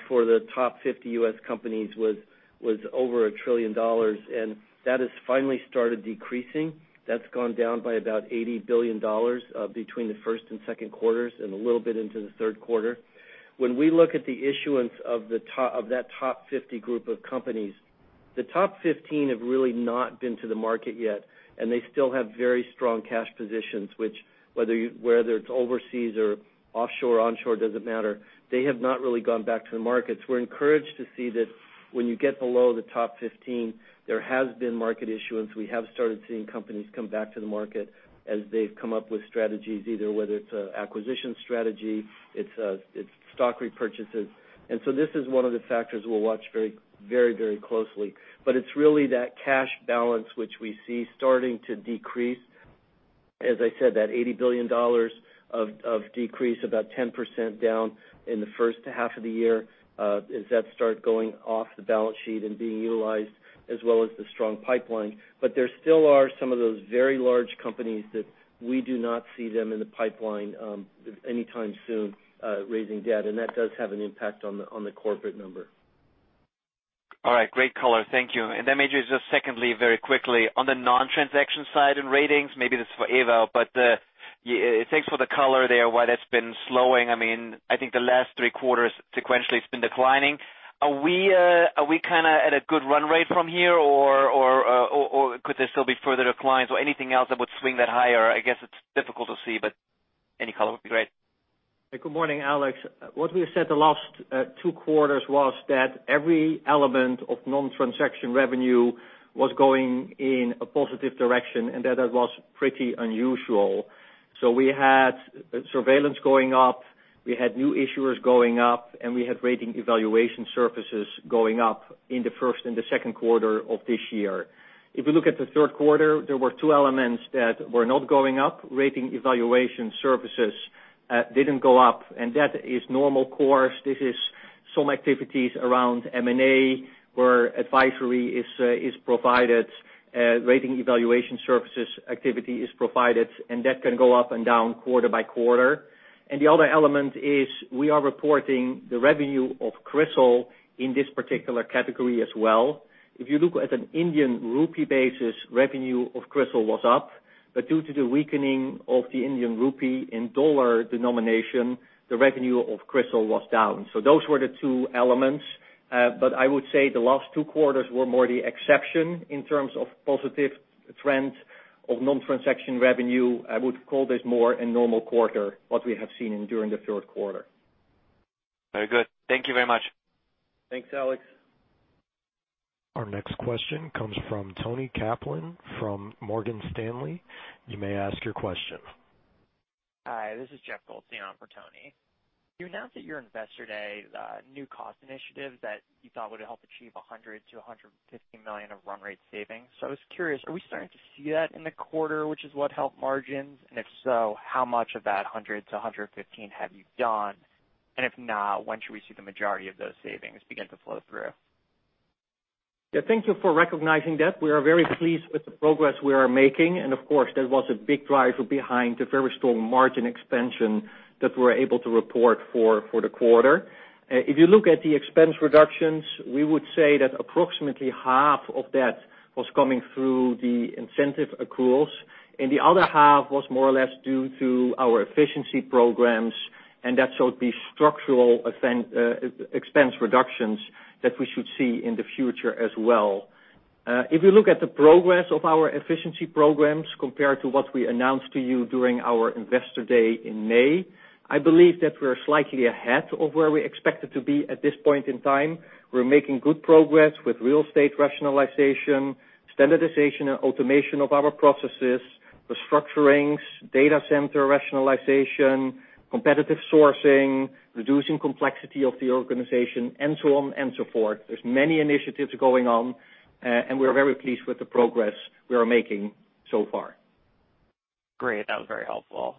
for the top 50 U.S. companies was over a trillion dollars, and that has finally started decreasing. That's gone down by about $80 billion between the first and second quarters, and a little bit into the third quarter. When we look at the issuance of that top 50 group of companies, the top 15 have really not been to the market yet, and they still have very strong cash positions, which whether it's overseas or offshore, onshore, doesn't matter. They have not really gone back to the markets. We're encouraged to see that when you get below the top 15, there has been market issuance. We have started seeing companies come back to the market as they've come up with strategies, either whether it's acquisition strategy, it's stock repurchases. This is one of the factors we'll watch very closely. It's really that cash balance which we see starting to decrease. As I said, that $80 billion of decrease, about 10% down in the first half of the year, as that start going off the balance sheet and being utilized as well as the strong pipeline. There still are some of those very large companies that we do not see them in the pipeline anytime soon, raising debt, and that does have an impact on the corporate number. All right. Great color. Thank you. Maybe just secondly, very quickly, on the non-transaction side in ratings, maybe this is for Ewout, but thanks for the color there, why that's been slowing. I think the last three quarters sequentially, it's been declining. Are we kind of at a good run rate from here, or could there still be further declines or anything else that would swing that higher? I guess it's difficult to see, but any color would be great. Good morning, Alex. What we said the last two quarters was that every element of non-transaction revenue was going in a positive direction, and that was pretty unusual. We had surveillance going up, we had new issuers going up, and we had rating evaluation services going up in the first and the second quarter of this year. If you look at the third quarter, there were two elements that were not going up. Rating evaluation services did not go up, and that is normal course. This is some activities around M&A where advisory is provided, rating evaluation services activity is provided, and that can go up and down quarter by quarter. The other element is we are reporting the revenue of CRISIL in this particular category as well. If you look at an INR basis, revenue of CRISIL was up. Due to the weakening of the INR in $ denomination, the revenue of CRISIL was down. Those were the two elements. I would say the last two quarters were more the exception in terms of positive trends of non-transaction revenue. I would call this more a normal quarter, what we have seen during the third quarter. Very good. Thank you very much. Thanks, Alex. Our next question comes from Toni Kaplan from Morgan Stanley. You may ask your question. Hi, this is Jeffrey Goldstein on for Toni. You announced at your Investor Day new cost initiatives that you thought would help achieve $100 million-$150 million of run rate savings. I was curious, are we starting to see that in the quarter, which is what helped margins? If so, how much of that $100-$150 have you done? If not, when should we see the majority of those savings begin to flow through? Thank you for recognizing that. We are very pleased with the progress we are making. Of course, that was a big driver behind the very strong margin expansion that we're able to report for the quarter. If you look at the expense reductions, we would say that approximately half of that was coming through the incentive accruals, and the other half was more or less due to our efficiency programs, and that showed the structural expense reductions that we should see in the future as well. If you look at the progress of our efficiency programs compared to what we announced to you during our Investor Day in May, I believe that we're slightly ahead of where we expected to be at this point in time. We're making good progress with real estate rationalization, standardization and automation of our processes, restructurings, data center rationalization, competitive sourcing, reducing complexity of the organization, and so on and so forth. There's many initiatives going on, and we're very pleased with the progress we are making so far. Great. That was very helpful.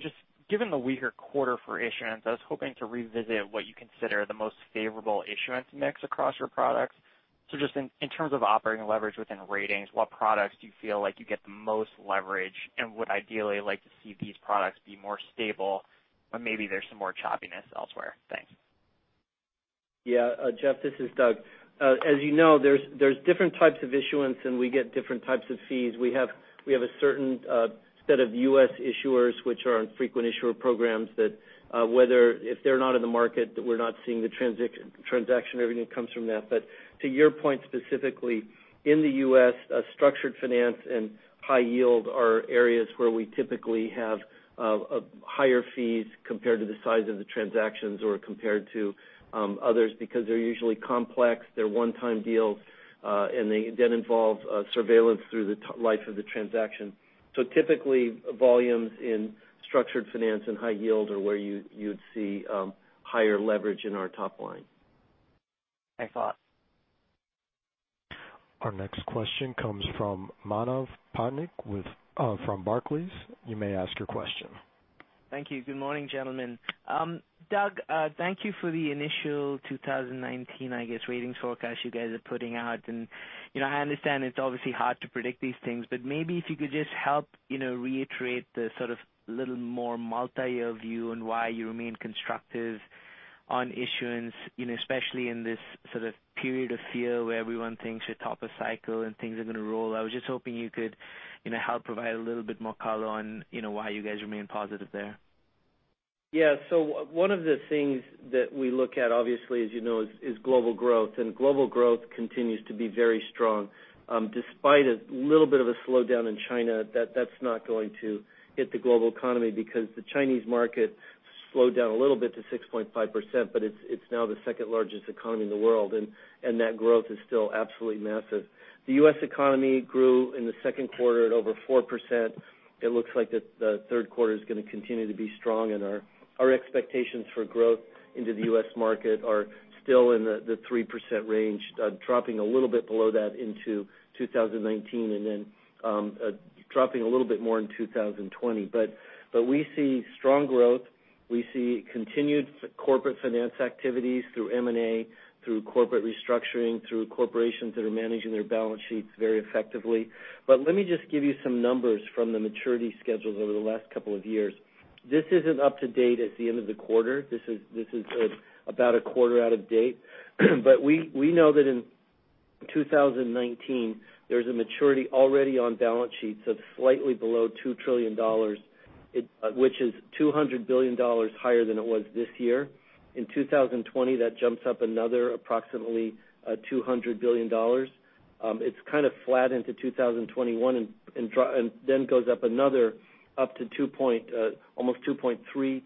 Just given the weaker quarter for issuance, I was hoping to revisit what you consider the most favorable issuance mix across your products. In terms of operating leverage within Ratings, what products do you feel like you get the most leverage and would ideally like to see these products be more stable, but maybe there's some more choppiness elsewhere? Thanks. Yeah, Jeff, this is Doug. As you know, there's different types of issuance, and we get different types of fees. We have a certain set of U.S. issuers which are on frequent issuer programs that if they're not in the market, we're not seeing the transaction revenue comes from that. To your point specifically, in the U.S., structured finance and high yield are areas where we typically have higher fees compared to the size of the transactions or compared to others because they're usually complex, they're one-time deals, and they then involve surveillance through the life of the transaction. Typically, volumes in structured finance and high yield are where you'd see higher leverage in our top line. Thanks a lot. Our next question comes from Manav Patnaik from Barclays. You may ask your question. Thank you. Good morning, gentlemen. Doug, thank you for the initial 2019, I guess, ratings forecast you guys are putting out. I understand it's obviously hard to predict these things, but maybe if you could just help reiterate the sort of little more multi-year view on why you remain constructive on issuance, especially in this sort of period of fear where everyone thinks you're top of cycle and things are going to roll. I was just hoping you could help provide a little bit more color on why you guys remain positive there. One of the things that we look at, obviously, as you know, is global growth. Global growth continues to be very strong. Despite a little bit of a slowdown in China, that's not going to hit the global economy because the Chinese market slowed down a little bit to 6.5%, but it's now the second largest economy in the world, and that growth is still absolutely massive. The U.S. economy grew in the second quarter at over 4%. It looks like the third quarter is going to continue to be strong, and our expectations for growth into the U.S. market are still in the 3% range, dropping a little bit below that into 2019 and then dropping a little bit more in 2020. We see strong growth. We see continued corporate finance activities through M&A, through corporate restructuring, through corporations that are managing their balance sheets very effectively. Let me just give you some numbers from the maturity schedules over the last couple of years. This isn't up to date at the end of the quarter. This is about a quarter out of date. We know that in 2019, there's a maturity already on balance sheets of slightly below $2 trillion, which is $200 billion higher than it was this year. In 2020, that jumps up another approximately $200 billion. It's kind of flat into 2021 and then goes up another up to almost $2.3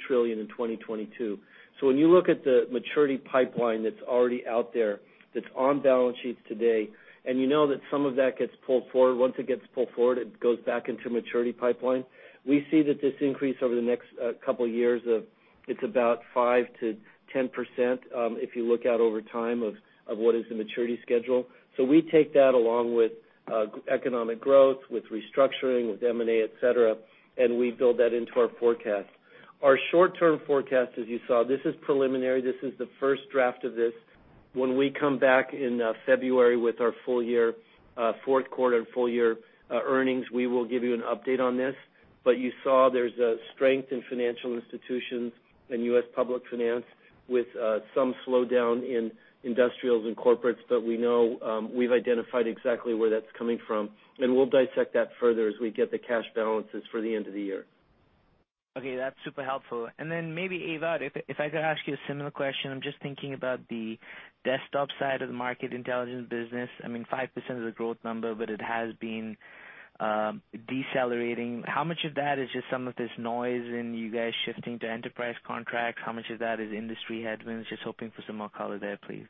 trillion in 2022. When you look at the maturity pipeline that's already out there, that's on balance sheets today, and you know that some of that gets pulled forward. Once it gets pulled forward, it goes back into maturity pipeline. We see that this increase over the next couple of years of, it's about 5%-10% if you look out over time of what is the maturity schedule. We take that along with economic growth, with restructuring, with M&A, et cetera, and we build that into our forecast. Our short-term forecast, as you saw, this is preliminary. This is the first draft of this. When we come back in February with our fourth quarter and full year earnings, we will give you an update on this. You saw there's a strength in financial institutions and U.S. public finance with some slowdown in industrials and corporates, but we know we've identified exactly where that's coming from, and we'll dissect that further as we get the cash balances for the end of the year. Okay. That's super helpful. Maybe, Ewout, if I could ask you a similar question. I'm just thinking about the desktop side of the Market Intelligence business. I mean, 5% is a growth number, but it has been decelerating. How much of that is just some of this noise in you guys shifting to enterprise contracts? How much of that is industry headwinds? Just hoping for some more color there, please.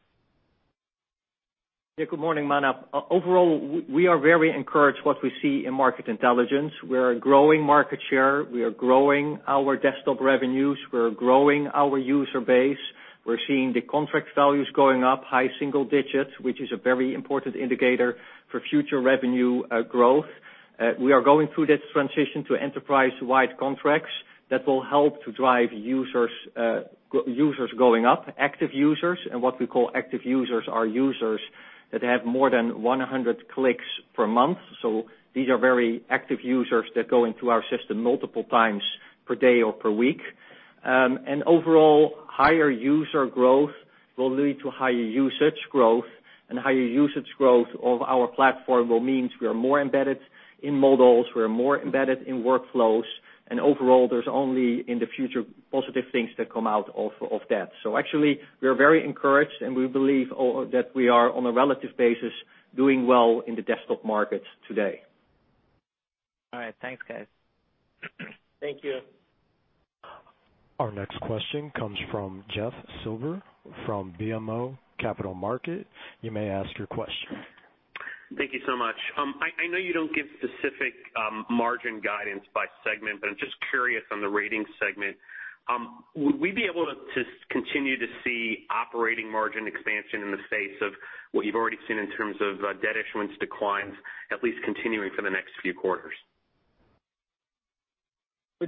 Yeah. Good morning, Manav. Overall, we are very encouraged what we see in Market Intelligence. We are growing market share, we are growing our desktop revenues, we are growing our user base. We're seeing the contract values going up high single digits, which is a very important indicator for future revenue growth. We are going through this transition to enterprise-wide contracts that will help to drive users going up, active users. What we call active users are users that have more than 100 clicks per month. These are very active users that go into our system multiple times per day or per week. Overall, higher user growth will lead to higher usage growth. Higher usage growth of our platform will mean we are more embedded in models, we are more embedded in workflows, and overall, there's only, in the future, positive things that come out of that. Actually, we are very encouraged, and we believe that we are, on a relative basis, doing well in the desktop markets today. All right. Thanks, guys. Thank you. Our next question comes from Jeff Silber from BMO Capital Markets. You may ask your question. Thank you so much. I know you don't give specific margin guidance by segment, but I'm just curious on the Ratings segment. Would we be able to continue to see operating margin expansion in the face of what you've already seen in terms of debt issuance declines, at least continuing for the next few quarters?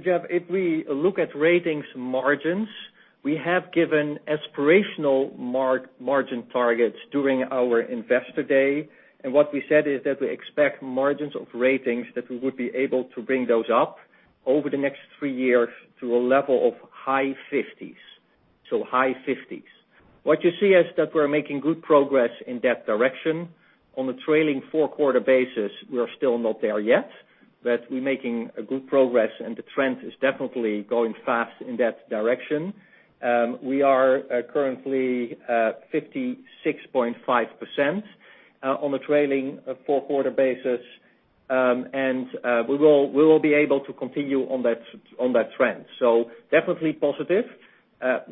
Jeff, if we look at Ratings margins, we have given aspirational margin targets during our investor day. What we said is that we expect margins of Ratings, that we would be able to bring those up over the next three years to a level of high 50s. High 50s. What you see is that we're making good progress in that direction. On a trailing four-quarter basis, we are still not there yet, but we're making a good progress, and the trend is definitely going fast in that direction. We are currently at 56.5% on a trailing four-quarter basis. We will be able to continue on that trend. Definitely positive.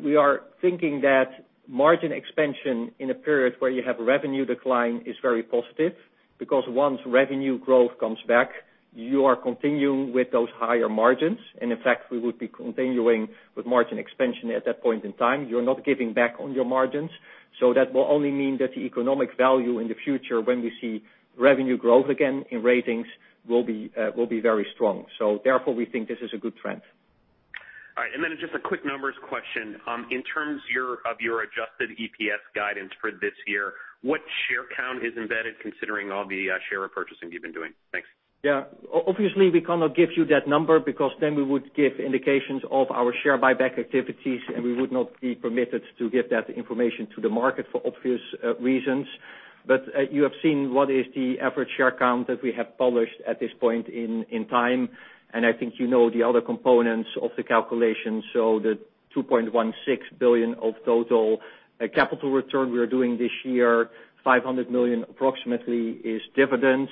We are thinking that margin expansion in a period where you have revenue decline is very positive, because once revenue growth comes back, you are continuing with those higher margins. in fact, we would be continuing with margin expansion at that point in time. You're not giving back on your margins. That will only mean that the economic value in the future, when we see revenue growth again in Ratings, will be very strong. Therefore, we think this is a good trend. All right. Then just a quick numbers question. In terms of your adjusted EPS guidance for this year, what share count is embedded considering all the share repurchasing you've been doing? Thanks. Yeah. Obviously, we cannot give you that number because we would give indications of our share buyback activities, we would not be permitted to give that information to the market for obvious reasons. You have seen what is the average share count that we have published at this point in time, I think you know the other components of the calculation. The $2.16 billion of total capital return we are doing this year, $500 million approximately is dividends.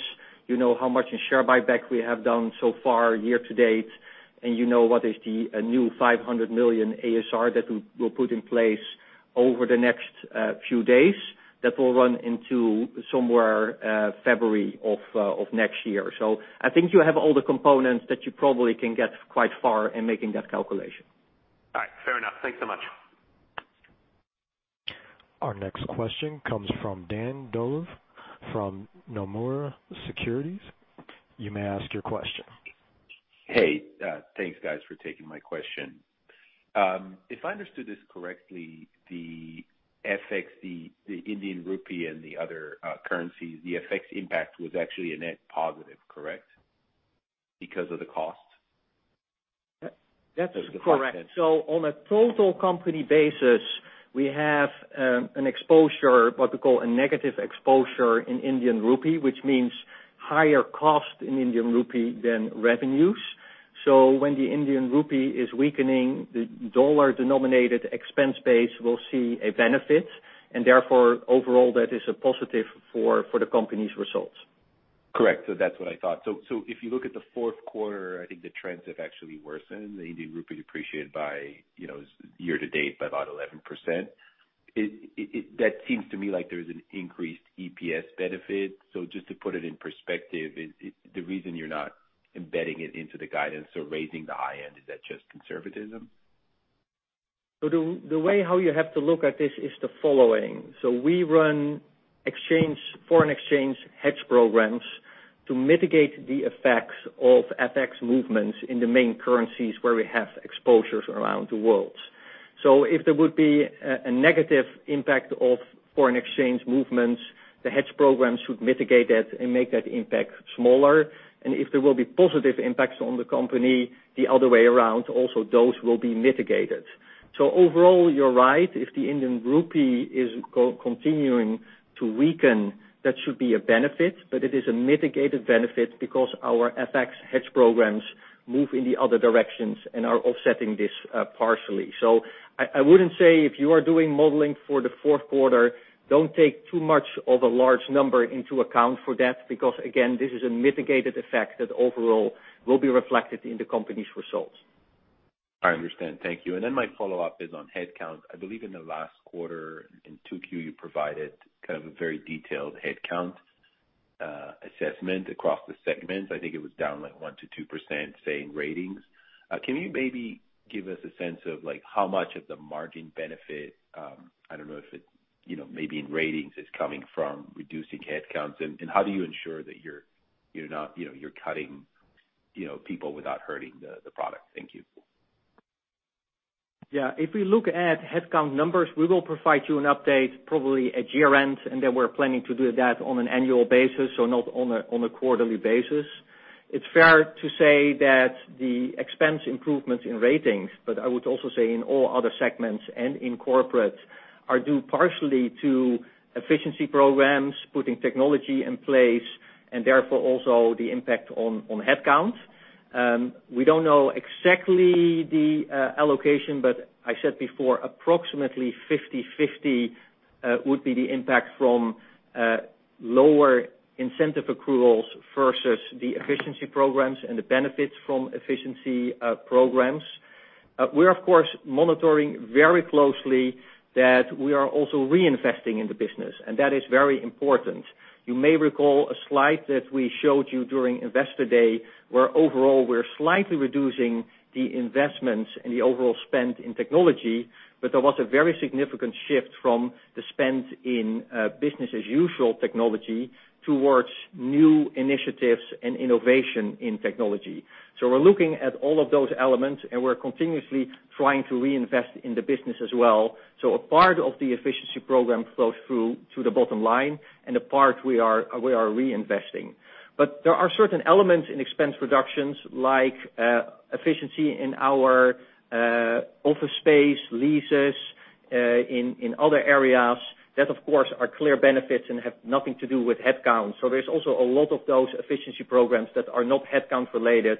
You know how much in share buyback we have done so far year to date, you know what is the new $500 million ASR that we'll put in place over the next few days that will run into somewhere February of next year. I think you have all the components that you probably can get quite far in making that calculation. All right. Fair enough. Thanks so much. Our next question comes from Dan Dolev from Nomura Securities. You may ask your question. Hey. Thanks, guys, for taking my question. If I understood this correctly, the FX, the Indian rupee, and the other currencies, the FX impact was actually a net positive, correct? Because of the cost. That is correct. On a total company basis, we have an exposure, what we call a negative exposure, in Indian rupee, which means higher cost in Indian rupee than revenues. When the Indian rupee is weakening, the dollar-denominated expense base will see a benefit, and therefore, overall, that is a positive for the company's results. Correct. That's what I thought. If you look at the fourth quarter, I think the trends have actually worsened. The Indian rupee depreciated year to date by about 11%. That seems to me like there's an increased EPS benefit. Just to put it in perspective, the reason you're not embedding it into the guidance or raising the high end, is that just conservatism? The way how you have to look at this is the following. We run foreign exchange hedge programs to mitigate the effects of FX movements in the main currencies where we have exposures around the world. If there would be a negative impact of foreign exchange movements, the hedge program should mitigate that and make that impact smaller. If there will be positive impacts on the company, the other way around, also those will be mitigated. Overall, you're right. If the Indian rupee is continuing to weaken, that should be a benefit, but it is a mitigated benefit because our FX hedge programs move in the other directions and are offsetting this partially. I wouldn't say if you are doing modeling for the fourth quarter, don't take too much of a large number into account for that, because again, this is a mitigated effect that overall will be reflected in the company's results. I understand. Thank you. Then my follow-up is on headcount. I believe in the last quarter, in 2Q, you provided a very detailed headcount assessment across the segments. I think it was down 1%-2%, say, in ratings. Can you maybe give us a sense of how much of the margin benefit, I don't know if it, maybe in ratings, is coming from reducing headcounts? How do you ensure that you're cutting people without hurting the product? Thank you. Yeah. If we look at headcount numbers, we will provide you an update probably at year-end, then we're planning to do that on an annual basis, not on a quarterly basis. It's fair to say that the expense improvements in ratings, I would also say in all other segments and in corporate, are due partially to efficiency programs, putting technology in place, and therefore also the impact on headcount. We don't know exactly the allocation, but I said before, approximately 50/50 would be the impact from lower incentive accruals versus the efficiency programs and the benefits from efficiency programs. We're of course monitoring very closely that we are also reinvesting in the business, that is very important. You may recall a slide that we showed you during Investor Day, where overall, we're slightly reducing the investments and the overall spend in technology, but there was a very significant shift from the spend in business as usual technology towards new initiatives and innovation in technology. We're looking at all of those elements, and we're continuously trying to reinvest in the business as well. A part of the efficiency program flows through to the bottom line and a part we are reinvesting. There are certain elements in expense reductions, like efficiency in our office space leases, in other areas, that of course, are clear benefits and have nothing to do with headcount. There's also a lot of those efficiency programs that are not headcount related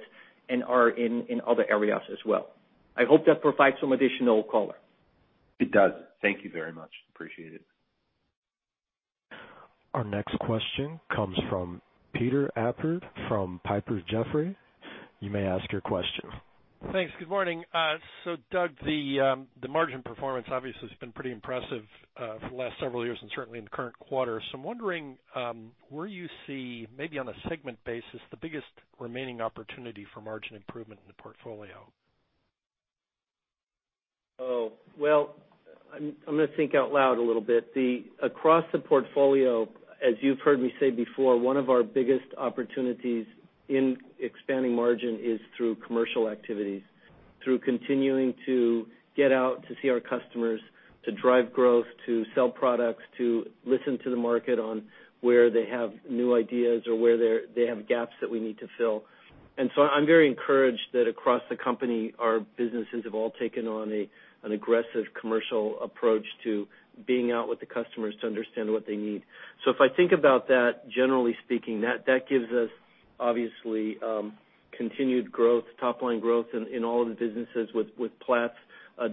and are in other areas as well. I hope that provides some additional color. It does. Thank you very much. Appreciate it. Our next question comes from Peter Appert from Piper Jaffray. You may ask your question. Thanks. Good morning. Doug, the margin performance obviously has been pretty impressive for the last several years and certainly in the current quarter. I'm wondering, where you see, maybe on a segment basis, the biggest remaining opportunity for margin improvement in the portfolio? Well, I'm going to think out loud a little bit. Across the portfolio, as you've heard me say before, one of our biggest opportunities in expanding margin is through commercial activities, through continuing to get out to see our customers, to drive growth, to sell products, to listen to the market on where they have new ideas or where they have gaps that we need to fill. I'm very encouraged that across the company, our businesses have all taken on an aggressive commercial approach to being out with the customers to understand what they need. If I think about that, generally speaking, that gives us, obviously, continued growth, top-line growth in all of the businesses with Platts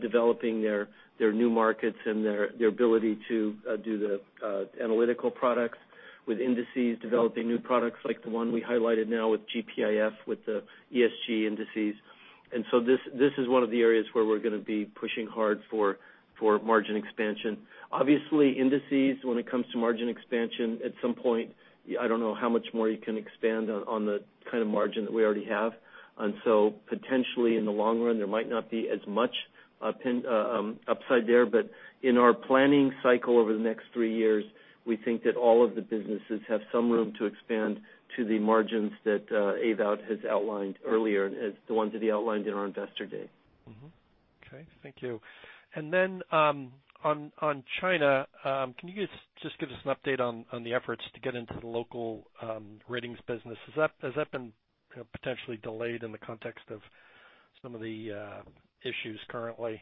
developing their new markets and their ability to do the analytical products, with Indices developing new products like the one we highlighted now with GPIF, with the ESG indices. This is one of the areas where we're going to be pushing hard for margin expansion. Obviously, Indices, when it comes to margin expansion, at some point, I don't know how much more you can expand on the kind of margin that we already have. Potentially in the long run, there might not be as much upside there. But in our planning cycle over the next three years, we think that all of the businesses have some room to expand to the margins that Ewout has outlined earlier, the ones that he outlined in our Investor Day. Okay. Thank you. On China, can you just give us an update on the efforts to get into the local ratings business? Has that been potentially delayed in the context of some of the issues currently?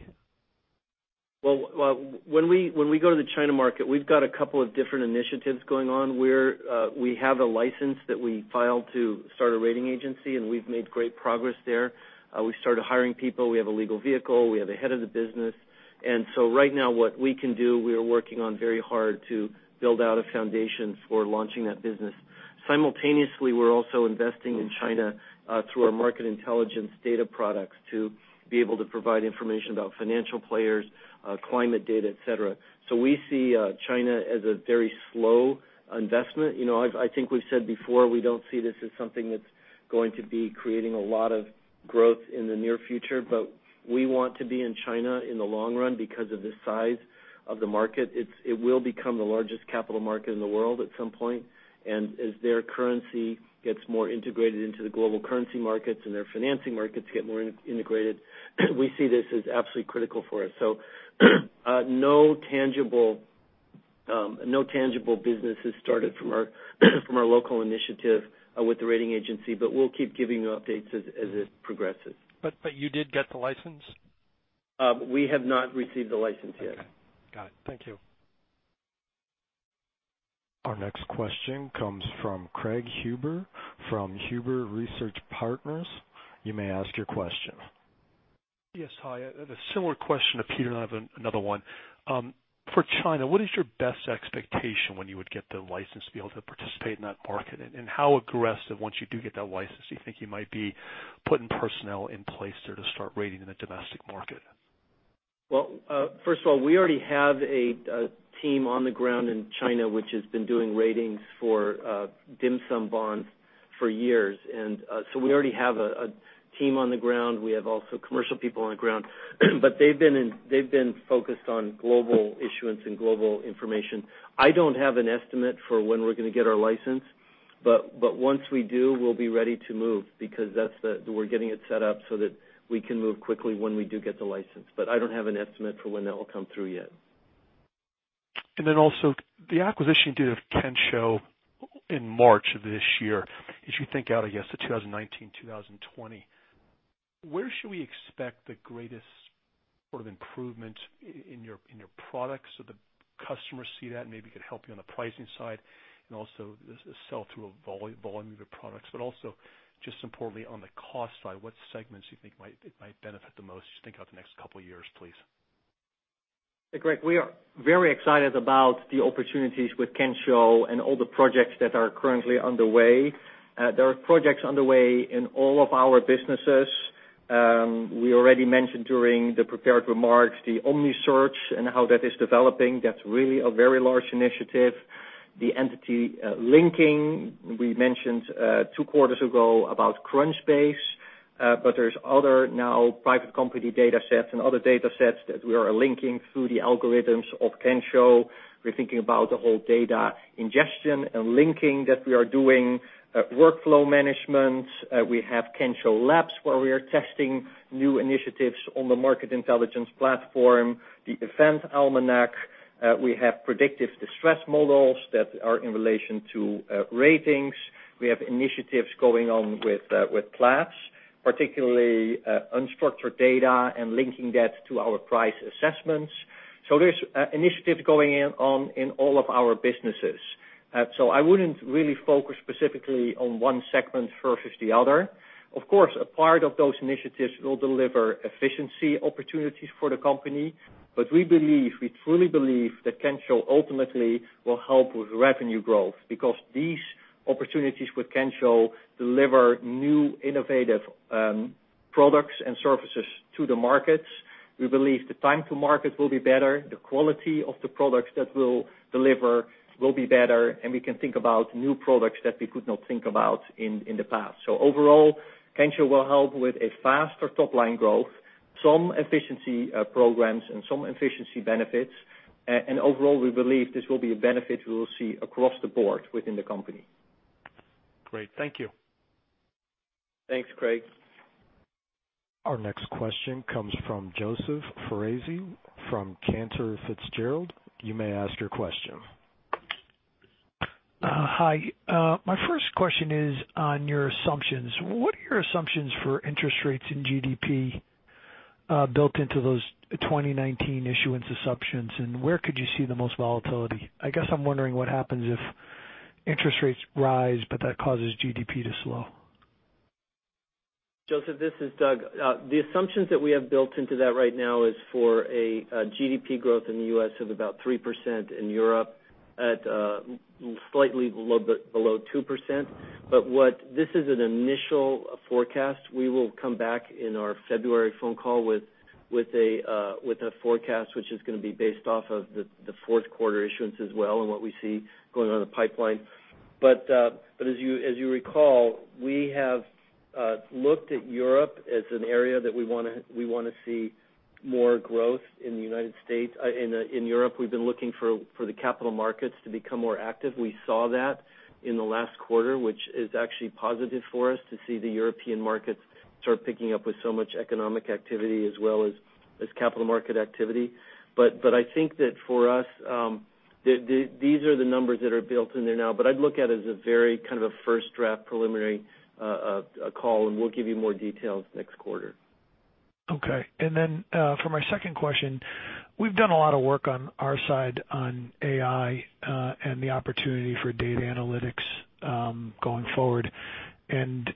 Well, when we go to the China market, we've got a couple of different initiatives going on, where we have a license that we filed to start a rating agency, we've made great progress there. We started hiring people. We have a legal vehicle. We have a head of the business. Right now what we can do, we are working on very hard to build out a foundation for launching that business. Simultaneously, we're also investing in China through our market intelligence data products to be able to provide information about financial players, climate data, et cetera. We see China as a very slow investment. I think we've said before, we don't see this as something that's going to be creating a lot of growth in the near future, but we want to be in China in the long run because of the size of the market. It will become the largest capital market in the world at some point. As their currency gets more integrated into the global currency markets and their financing markets get more integrated, we see this as absolutely critical for us. No tangible business has started from our local initiative with the rating agency, but we'll keep giving you updates as it progresses. You did get the license? We have not received the license yet. Okay. Got it. Thank you. Our next question comes from Craig Huber from Huber Research Partners. You may ask your question. Yes, hi. I have a similar question to Peter. I have another one. For China, what is your best expectation when you would get the license to be able to participate in that market? How aggressive, once you do get that license, do you think you might be putting personnel in place there to start rating in the domestic market? First of all, we already have a team on the ground in China, which has been doing ratings for dim sum bonds for years. We already have a team on the ground. We have also commercial people on the ground. They've been focused on global issuance and global information. I don't have an estimate for when we're going to get our license. Once we do, we'll be ready to move, because we're getting it set up so that we can move quickly when we do get the license. I don't have an estimate for when that will come through yet. Also the acquisition you did of Kensho in March of this year, as you think out, I guess, to 2019, 2020, where should we expect the greatest improvement in your products so the customers see that and maybe it could help you on the pricing side and also the sell-through of volume of your products, but also just importantly on the cost side, what segments do you think might benefit the most as you think out the next couple of years, please? Craig, we are very excited about the opportunities with Kensho and all the projects that are currently underway. There are projects underway in all of our businesses. We already mentioned during the prepared remarks the Omni Search and how that is developing. That's really a very large initiative. The entity linking, we mentioned two quarters ago about Crunchbase, but there's other now private company data sets and other data sets that we are linking through the algorithms of Kensho. We're thinking about the whole data ingestion and linking that we are doing, workflow management. We have Kensho Labs, where we are testing new initiatives on the market intelligence platform, the Event Almanac. We have predictive distress models that are in relation to ratings. We have initiatives going on with Platts, particularly unstructured data and linking that to our price assessments. There's initiatives going on in all of our businesses. I wouldn't really focus specifically on one segment versus the other. Of course, a part of those initiatives will deliver efficiency opportunities for the company. We believe, we truly believe that Kensho ultimately will help with revenue growth because these opportunities with Kensho deliver new innovative products and services to the markets. We believe the time to market will be better, the quality of the products that we'll deliver will be better, and we can think about new products that we could not think about in the past. Overall, Kensho will help with a faster top-line growth, some efficiency programs and some efficiency benefits. Overall, we believe this will be a benefit we will see across the board within the company. Great. Thank you. Thanks, Craig. Our next question comes from Joseph Foresi from Cantor Fitzgerald. You may ask your question. Hi. My first question is on your assumptions. What are your assumptions for interest rates in GDP built into those 2019 issuance assumptions, and where could you see the most volatility? I guess I'm wondering what happens if interest rates rise, but that causes GDP to slow. Joseph, this is Doug. The assumptions that we have built into that right now is for a GDP growth in the U.S. of about 3%, in Europe at slightly below 2%. This is an initial forecast. We will come back in our February phone call with a forecast, which is going to be based off of the fourth quarter issuance as well and what we see going on in the pipeline. As you recall, we have looked at Europe as an area that we want to see more growth in the United States. In Europe, we've been looking for the capital markets to become more active. We saw that in the last quarter, which is actually positive for us to see the European markets start picking up with so much economic activity as well as capital market activity. I think that for us, these are the numbers that are built in there now. I'd look at it as a very first draft preliminary call, and we'll give you more details next quarter. Okay. For my second question, we've done a lot of work on our side on AI and the opportunity for data analytics going forward.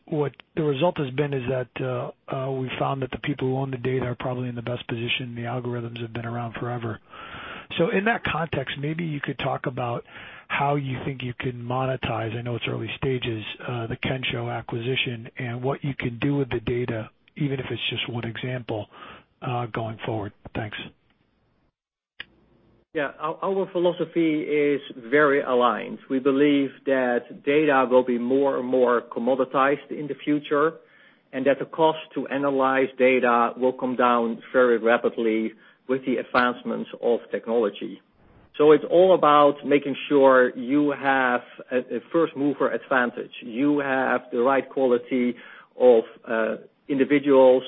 What the result has been is that we found that the people who own the data are probably in the best position. The algorithms have been around forever. In that context, maybe you could talk about how you think you can monetize, I know it's early stages, the Kensho acquisition, and what you can do with the data, even if it's just one example, going forward. Thanks. Yeah. Our philosophy is very aligned. We believe that data will be more and more commoditized in the future, and that the cost to analyze data will come down very rapidly with the advancements of technology. It's all about making sure you have a first-mover advantage. You have the right quality of individuals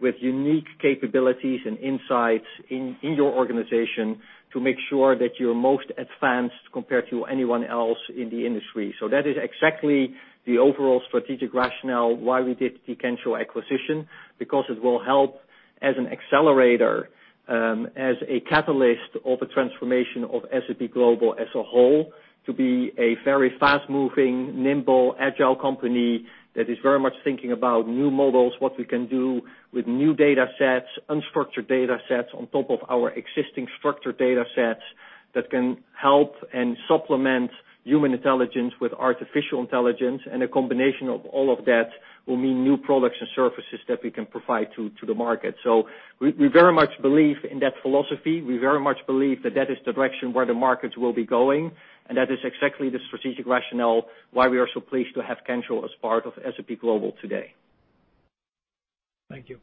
with unique capabilities and insights in your organization to make sure that you're most advanced compared to anyone else in the industry. That is exactly the overall strategic rationale why we did the Kensho acquisition, because it will help as an accelerator, as a catalyst of the transformation of S&P Global as a whole, to be a very fast-moving, nimble, agile company that is very much thinking about new models, what we can do with new data sets, unstructured data sets on top of our existing structured data sets that can help and supplement human intelligence with artificial intelligence. A combination of all of that will mean new products and services that we can provide to the market. We very much believe in that philosophy. We very much believe that that is the direction where the markets will be going, and that is exactly the strategic rationale why we are so pleased to have Kensho as part of S&P Global today. Thank you.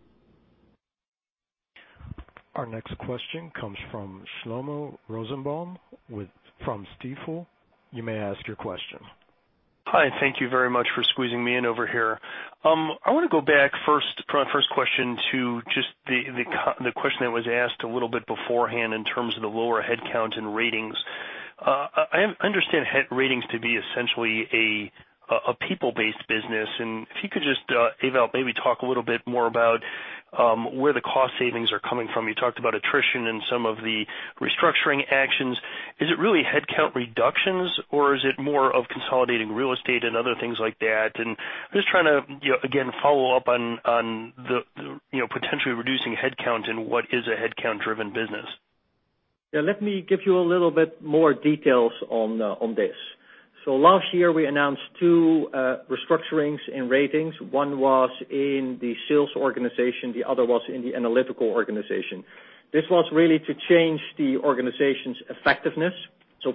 Our next question comes from Shlomo Rosenbaum from Stifel. You may ask your question. Hi, thank you very much for squeezing me in over here. I want to go back first, probably first question, to just the question that was asked a little bit beforehand in terms of the lower headcount in Ratings. I understand Ratings to be essentially a people-based business. If you could just, Ewout, maybe talk a little bit more about where the cost savings are coming from. You talked about attrition and some of the restructuring actions. Is it really headcount reductions, or is it more of consolidating real estate and other things like that? Just trying to, again, follow up on potentially reducing headcount in what is a headcount-driven business. Yeah, let me give you a little bit more details on this. Last year, we announced two restructurings in Ratings. One was in the sales organization, the other was in the analytical organization. This was really to change the organization's effectiveness.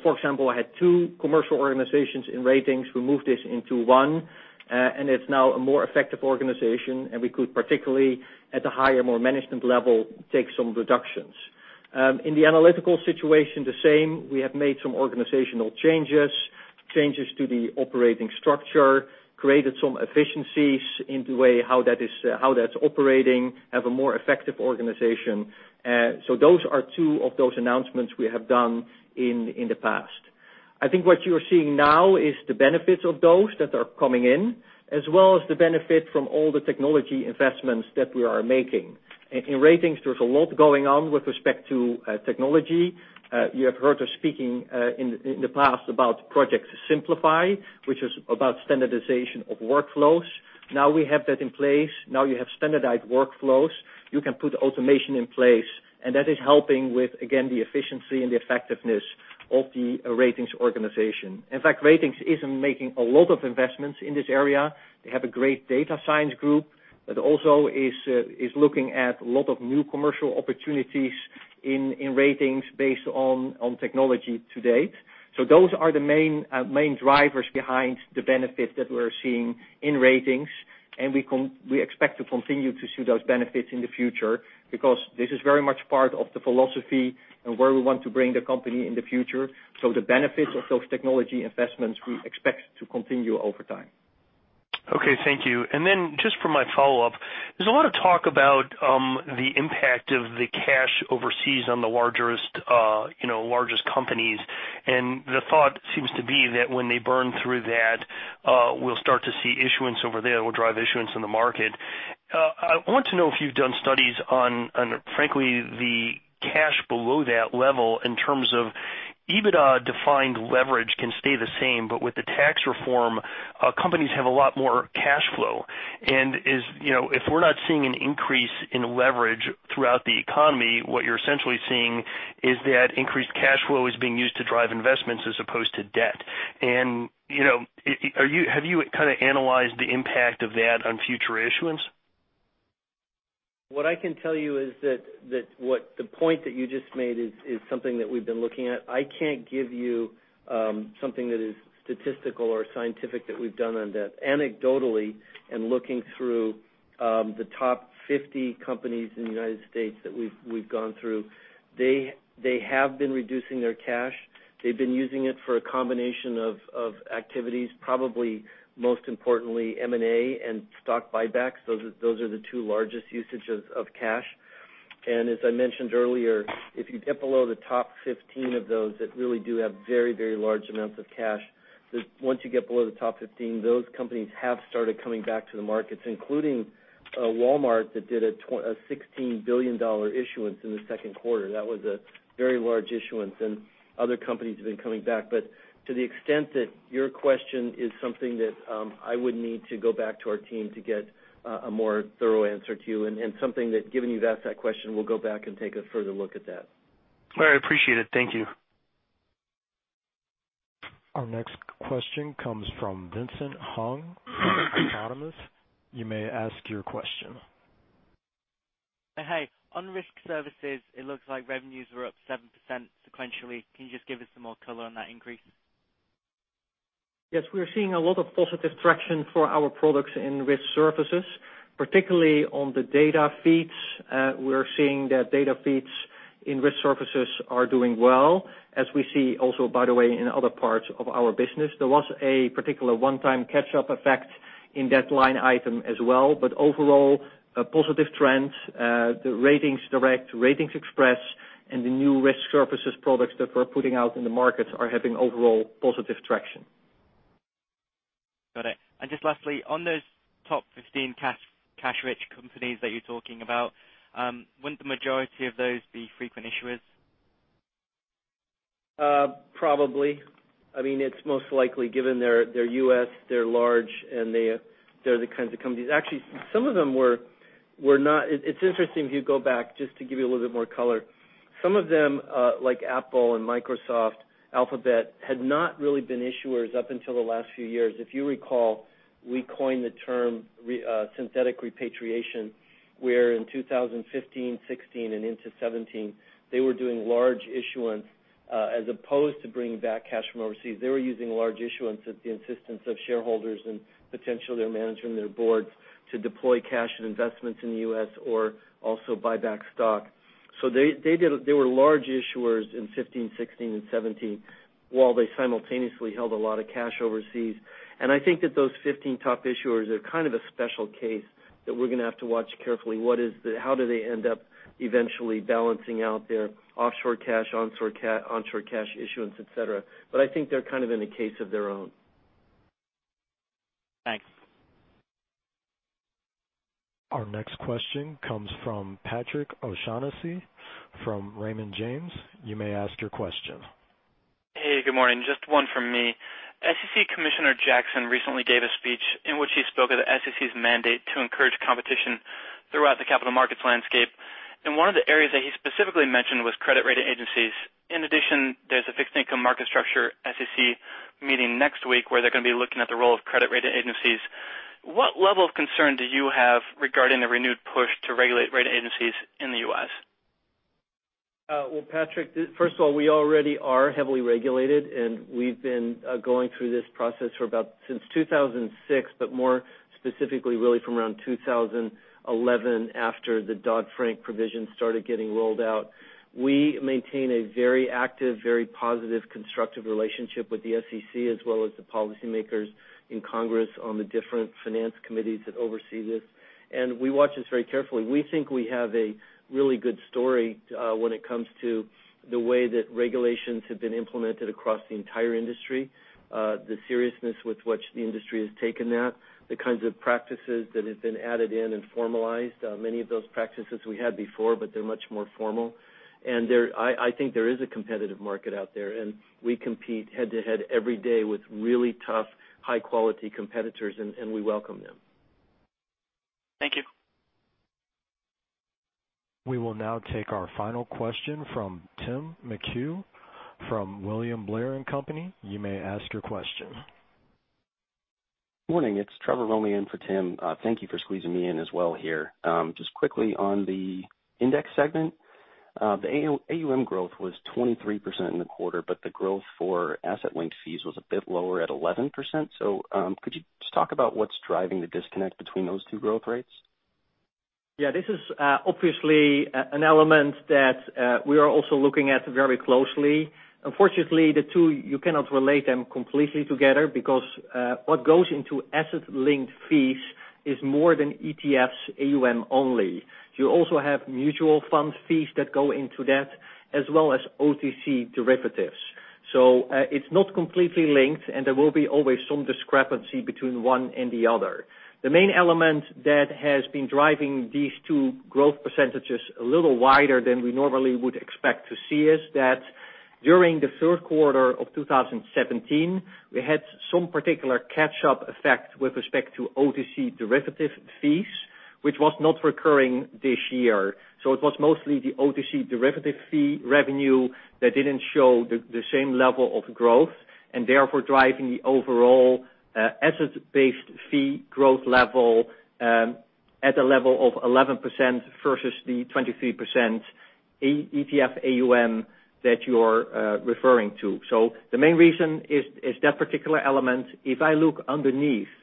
For example, I had two commercial organizations in Ratings. We moved this into one, and it's now a more effective organization, and we could particularly, at the higher, more management level, take some reductions. In the analytical situation, the same. We have made some organizational changes to the operating structure, created some efficiencies in the way how that's operating, have a more effective organization. Those are two of those announcements we have done in the past. I think what you are seeing now is the benefits of those that are coming in, as well as the benefit from all the technology investments that we are making. In Ratings, there's a lot going on with respect to technology. You have heard us speaking in the past about Project Simplify, which is about standardization of workflows. Now we have that in place. Now you have standardized workflows. You can put automation in place, and that is helping with, again, the efficiency and the effectiveness of the Ratings organization. In fact, Ratings is making a lot of investments in this area. They have a great data science group that also is looking at a lot of new commercial opportunities in Ratings based on technology to date. Those are the main drivers behind the benefit that we're seeing in ratings, and we expect to continue to see those benefits in the future because this is very much part of the philosophy and where we want to bring the company in the future. The benefits of those technology investments, we expect to continue over time. Okay. Thank you. Just for my follow-up, there's a lot of talk about the impact of the cash overseas on the largest companies. The thought seems to be that when they burn through that, we'll start to see issuance over there, it will drive issuance in the market. I want to know if you've done studies on, frankly, the cash below that level in terms of EBITDA-defined leverage can stay the same, but with the tax reform, companies have a lot more cash flow. If we're not seeing an increase in leverage throughout the economy, what you're essentially seeing is that increased cash flow is being used to drive investments as opposed to debt. Have you kind of analyzed the impact of that on future issuance? What I can tell you is that what the point that you just made is something that we've been looking at. I can't give you something that is statistical or scientific that we've done on that. Anecdotally, looking through the top 50 companies in the U.S. that we've gone through, they have been reducing their cash. They've been using it for a combination of activities, probably most importantly M&A and stock buybacks. Those are the two largest usages of cash. As I mentioned earlier, if you get below the top 15 of those that really do have very large amounts of cash, once you get below the top 15, those companies have started coming back to the markets, including Walmart, that did a $16 billion issuance in the second quarter. That was a very large issuance, other companies have been coming back. To the extent that your question is something that I would need to go back to our team to get a more thorough answer to you, something that, given you've asked that question, we'll go back and take a further look at that. All right. Appreciate it. Thank you. Our next question comes from Vincent Hung, from Autonomous. You may ask your question. Hey. On Risk Services, it looks like revenues were up 7% sequentially. Can you just give us some more color on that increase? Yes, we are seeing a lot of positive traction for our products in Risk Services, particularly on the data feeds. We are seeing that data feeds in Risk Services are doing well, as we see also, by the way, in other parts of our business. There was a particular one-time catch-up effect in that line item as well. Overall, a positive trend. The RatingsDirect, RatingsXpress, and the new Risk Services products that we're putting out in the markets are having overall positive traction. Got it. Just lastly, on those top 15 cash-rich companies that you're talking about, wouldn't the majority of those be frequent issuers? Probably. It's most likely given they're U.S., they're large, and they're the kinds of companies. Actually, some of them were not. It's interesting if you go back, just to give you a little bit more color. Some of them, like Apple and Microsoft, Alphabet, had not really been issuers up until the last few years. If you recall, we coined the term synthetic repatriation, where in 2015, 2016, and into 2017, they were doing large issuance. As opposed to bringing back cash from overseas, they were using large issuance at the insistence of shareholders and potentially their management and their boards to deploy cash and investments in the U.S. or also buy back stock. They were large issuers in 2015, 2016, and 2017, while they simultaneously held a lot of cash overseas. I think that those 15 top issuers are kind of a special case that we're going to have to watch carefully how do they end up eventually balancing out their offshore cash, onshore cash issuance, et cetera. I think they're kind of in a case of their own. Thanks. Our next question comes from Patrick O'Shaughnessy from Raymond James. You may ask your question. Hey, good morning. Just one from me. SEC Commissioner Jackson recently gave a speech in which he spoke of the SEC's mandate to encourage competition throughout the capital markets landscape. One of the areas that he specifically mentioned was credit rating agencies. In addition, there's a fixed income market structure SEC meeting next week where they're going to be looking at the role of credit rating agencies. What level of concern do you have regarding the renewed push to regulate rating agencies in the U.S.? Well, Patrick, first of all, we already are heavily regulated. We've been going through this process for about since 2006. More specifically, really from around 2011 after the Dodd-Frank provision started getting rolled out. We maintain a very active, very positive, constructive relationship with the SEC as well as the policymakers in Congress on the different finance committees that oversee this. We watch this very carefully. We think we have a really good story when it comes to the way that regulations have been implemented across the entire industry. The seriousness with which the industry has taken that, the kinds of practices that have been added in and formalized. Many of those practices we had before, but they're much more formal. I think there is a competitive market out there. We compete head-to-head every day with really tough, high-quality competitors. We welcome them. Thank you. We will now take our final question from Tim McHugh from William Blair & Company. You may ask your question. Morning, it's Trevor Romeo in for Tim. Thank you for squeezing me in as well here. Just quickly on the index segment. The AUM growth was 23% in the quarter, but the growth for asset linked fees was a bit lower at 11%. Could you just talk about what's driving the disconnect between those two growth rates? Yeah, this is obviously an element that we are also looking at very closely. Unfortunately, the two, you cannot relate them completely together because what goes into asset linked fees is more than ETFs AUM only. You also have mutual fund fees that go into that as well as OTC derivatives. It's not completely linked, and there will be always some discrepancy between one and the other. The main element that has been driving these two growth percentages a little wider than we normally would expect to see is that during the third quarter of 2017, we had some particular catch-up effect with respect to OTC derivative fees, which was not recurring this year. It was mostly the OTC derivative fee revenue that didn't show the same level of growth and therefore driving the overall asset-based fee growth level at a level of 11% versus the 23% ETF AUM that you're referring to. The main reason is that particular element. If I look underneath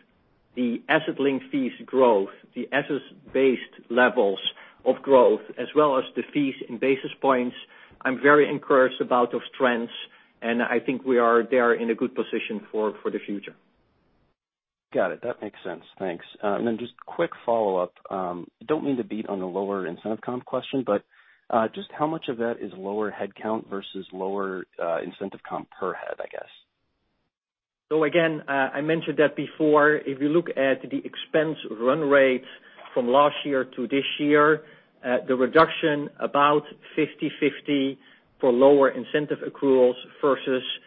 the asset linked fees growth, the assets based levels of growth as well as the fees and basis points, I'm very encouraged about those trends, and I think we are there in a good position for the future. Got it. That makes sense. Thanks. Just quick follow-up. Don't mean to beat on the lower incentive comp question, but just how much of that is lower headcount versus lower incentive comp per head, I guess? Again, I mentioned that before. If you look at the expense run rates from last year to this year, the reduction about 50/50 for lower incentive accruals versus 50%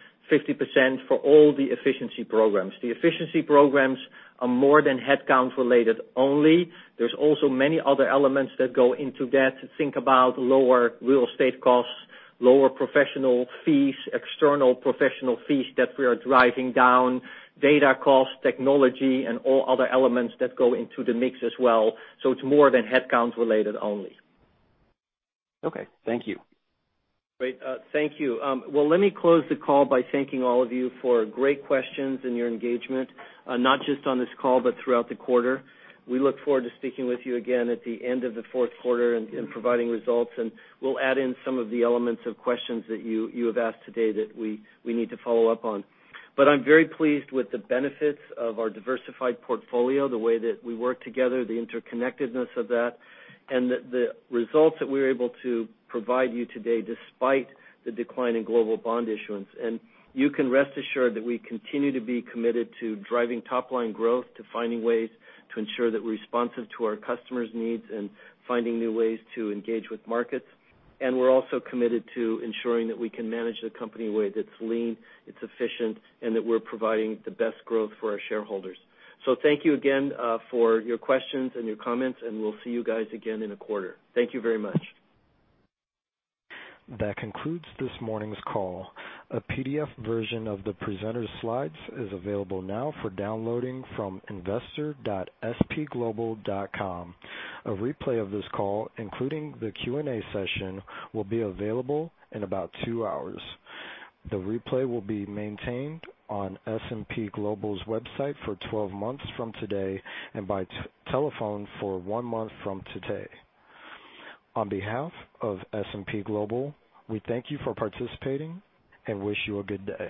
for all the efficiency programs. The efficiency programs are more than headcount related only. There's also many other elements that go into that. Think about lower real estate costs, lower professional fees, external professional fees that we are driving down, data costs, technology, and all other elements that go into the mix as well. It's more than headcount related only. Okay. Thank you. Great. Thank you. Well, let me close the call by thanking all of you for great questions and your engagement, not just on this call, but throughout the quarter. We look forward to speaking with you again at the end of the fourth quarter and providing results. We'll add in some of the elements of questions that you have asked today that we need to follow up on. I'm very pleased with the benefits of our diversified portfolio, the way that we work together, the interconnectedness of that, and the results that we're able to provide you today despite the decline in global bond issuance. You can rest assured that we continue to be committed to driving top-line growth, to finding ways to ensure that we're responsive to our customers' needs, and finding new ways to engage with markets. We're also committed to ensuring that we can manage the company way that's lean, it's efficient, and that we're providing the best growth for our shareholders. Thank you again for your questions and your comments, we'll see you guys again in a quarter. Thank you very much. That concludes this morning's call. A PDF version of the presenters' slides is available now for downloading from investor.spglobal.com. A replay of this call, including the Q&A session, will be available in about two hours. The replay will be maintained on S&P Global's website for 12 months from today and by telephone for one month from today. On behalf of S&P Global, we thank you for participating and wish you a good day.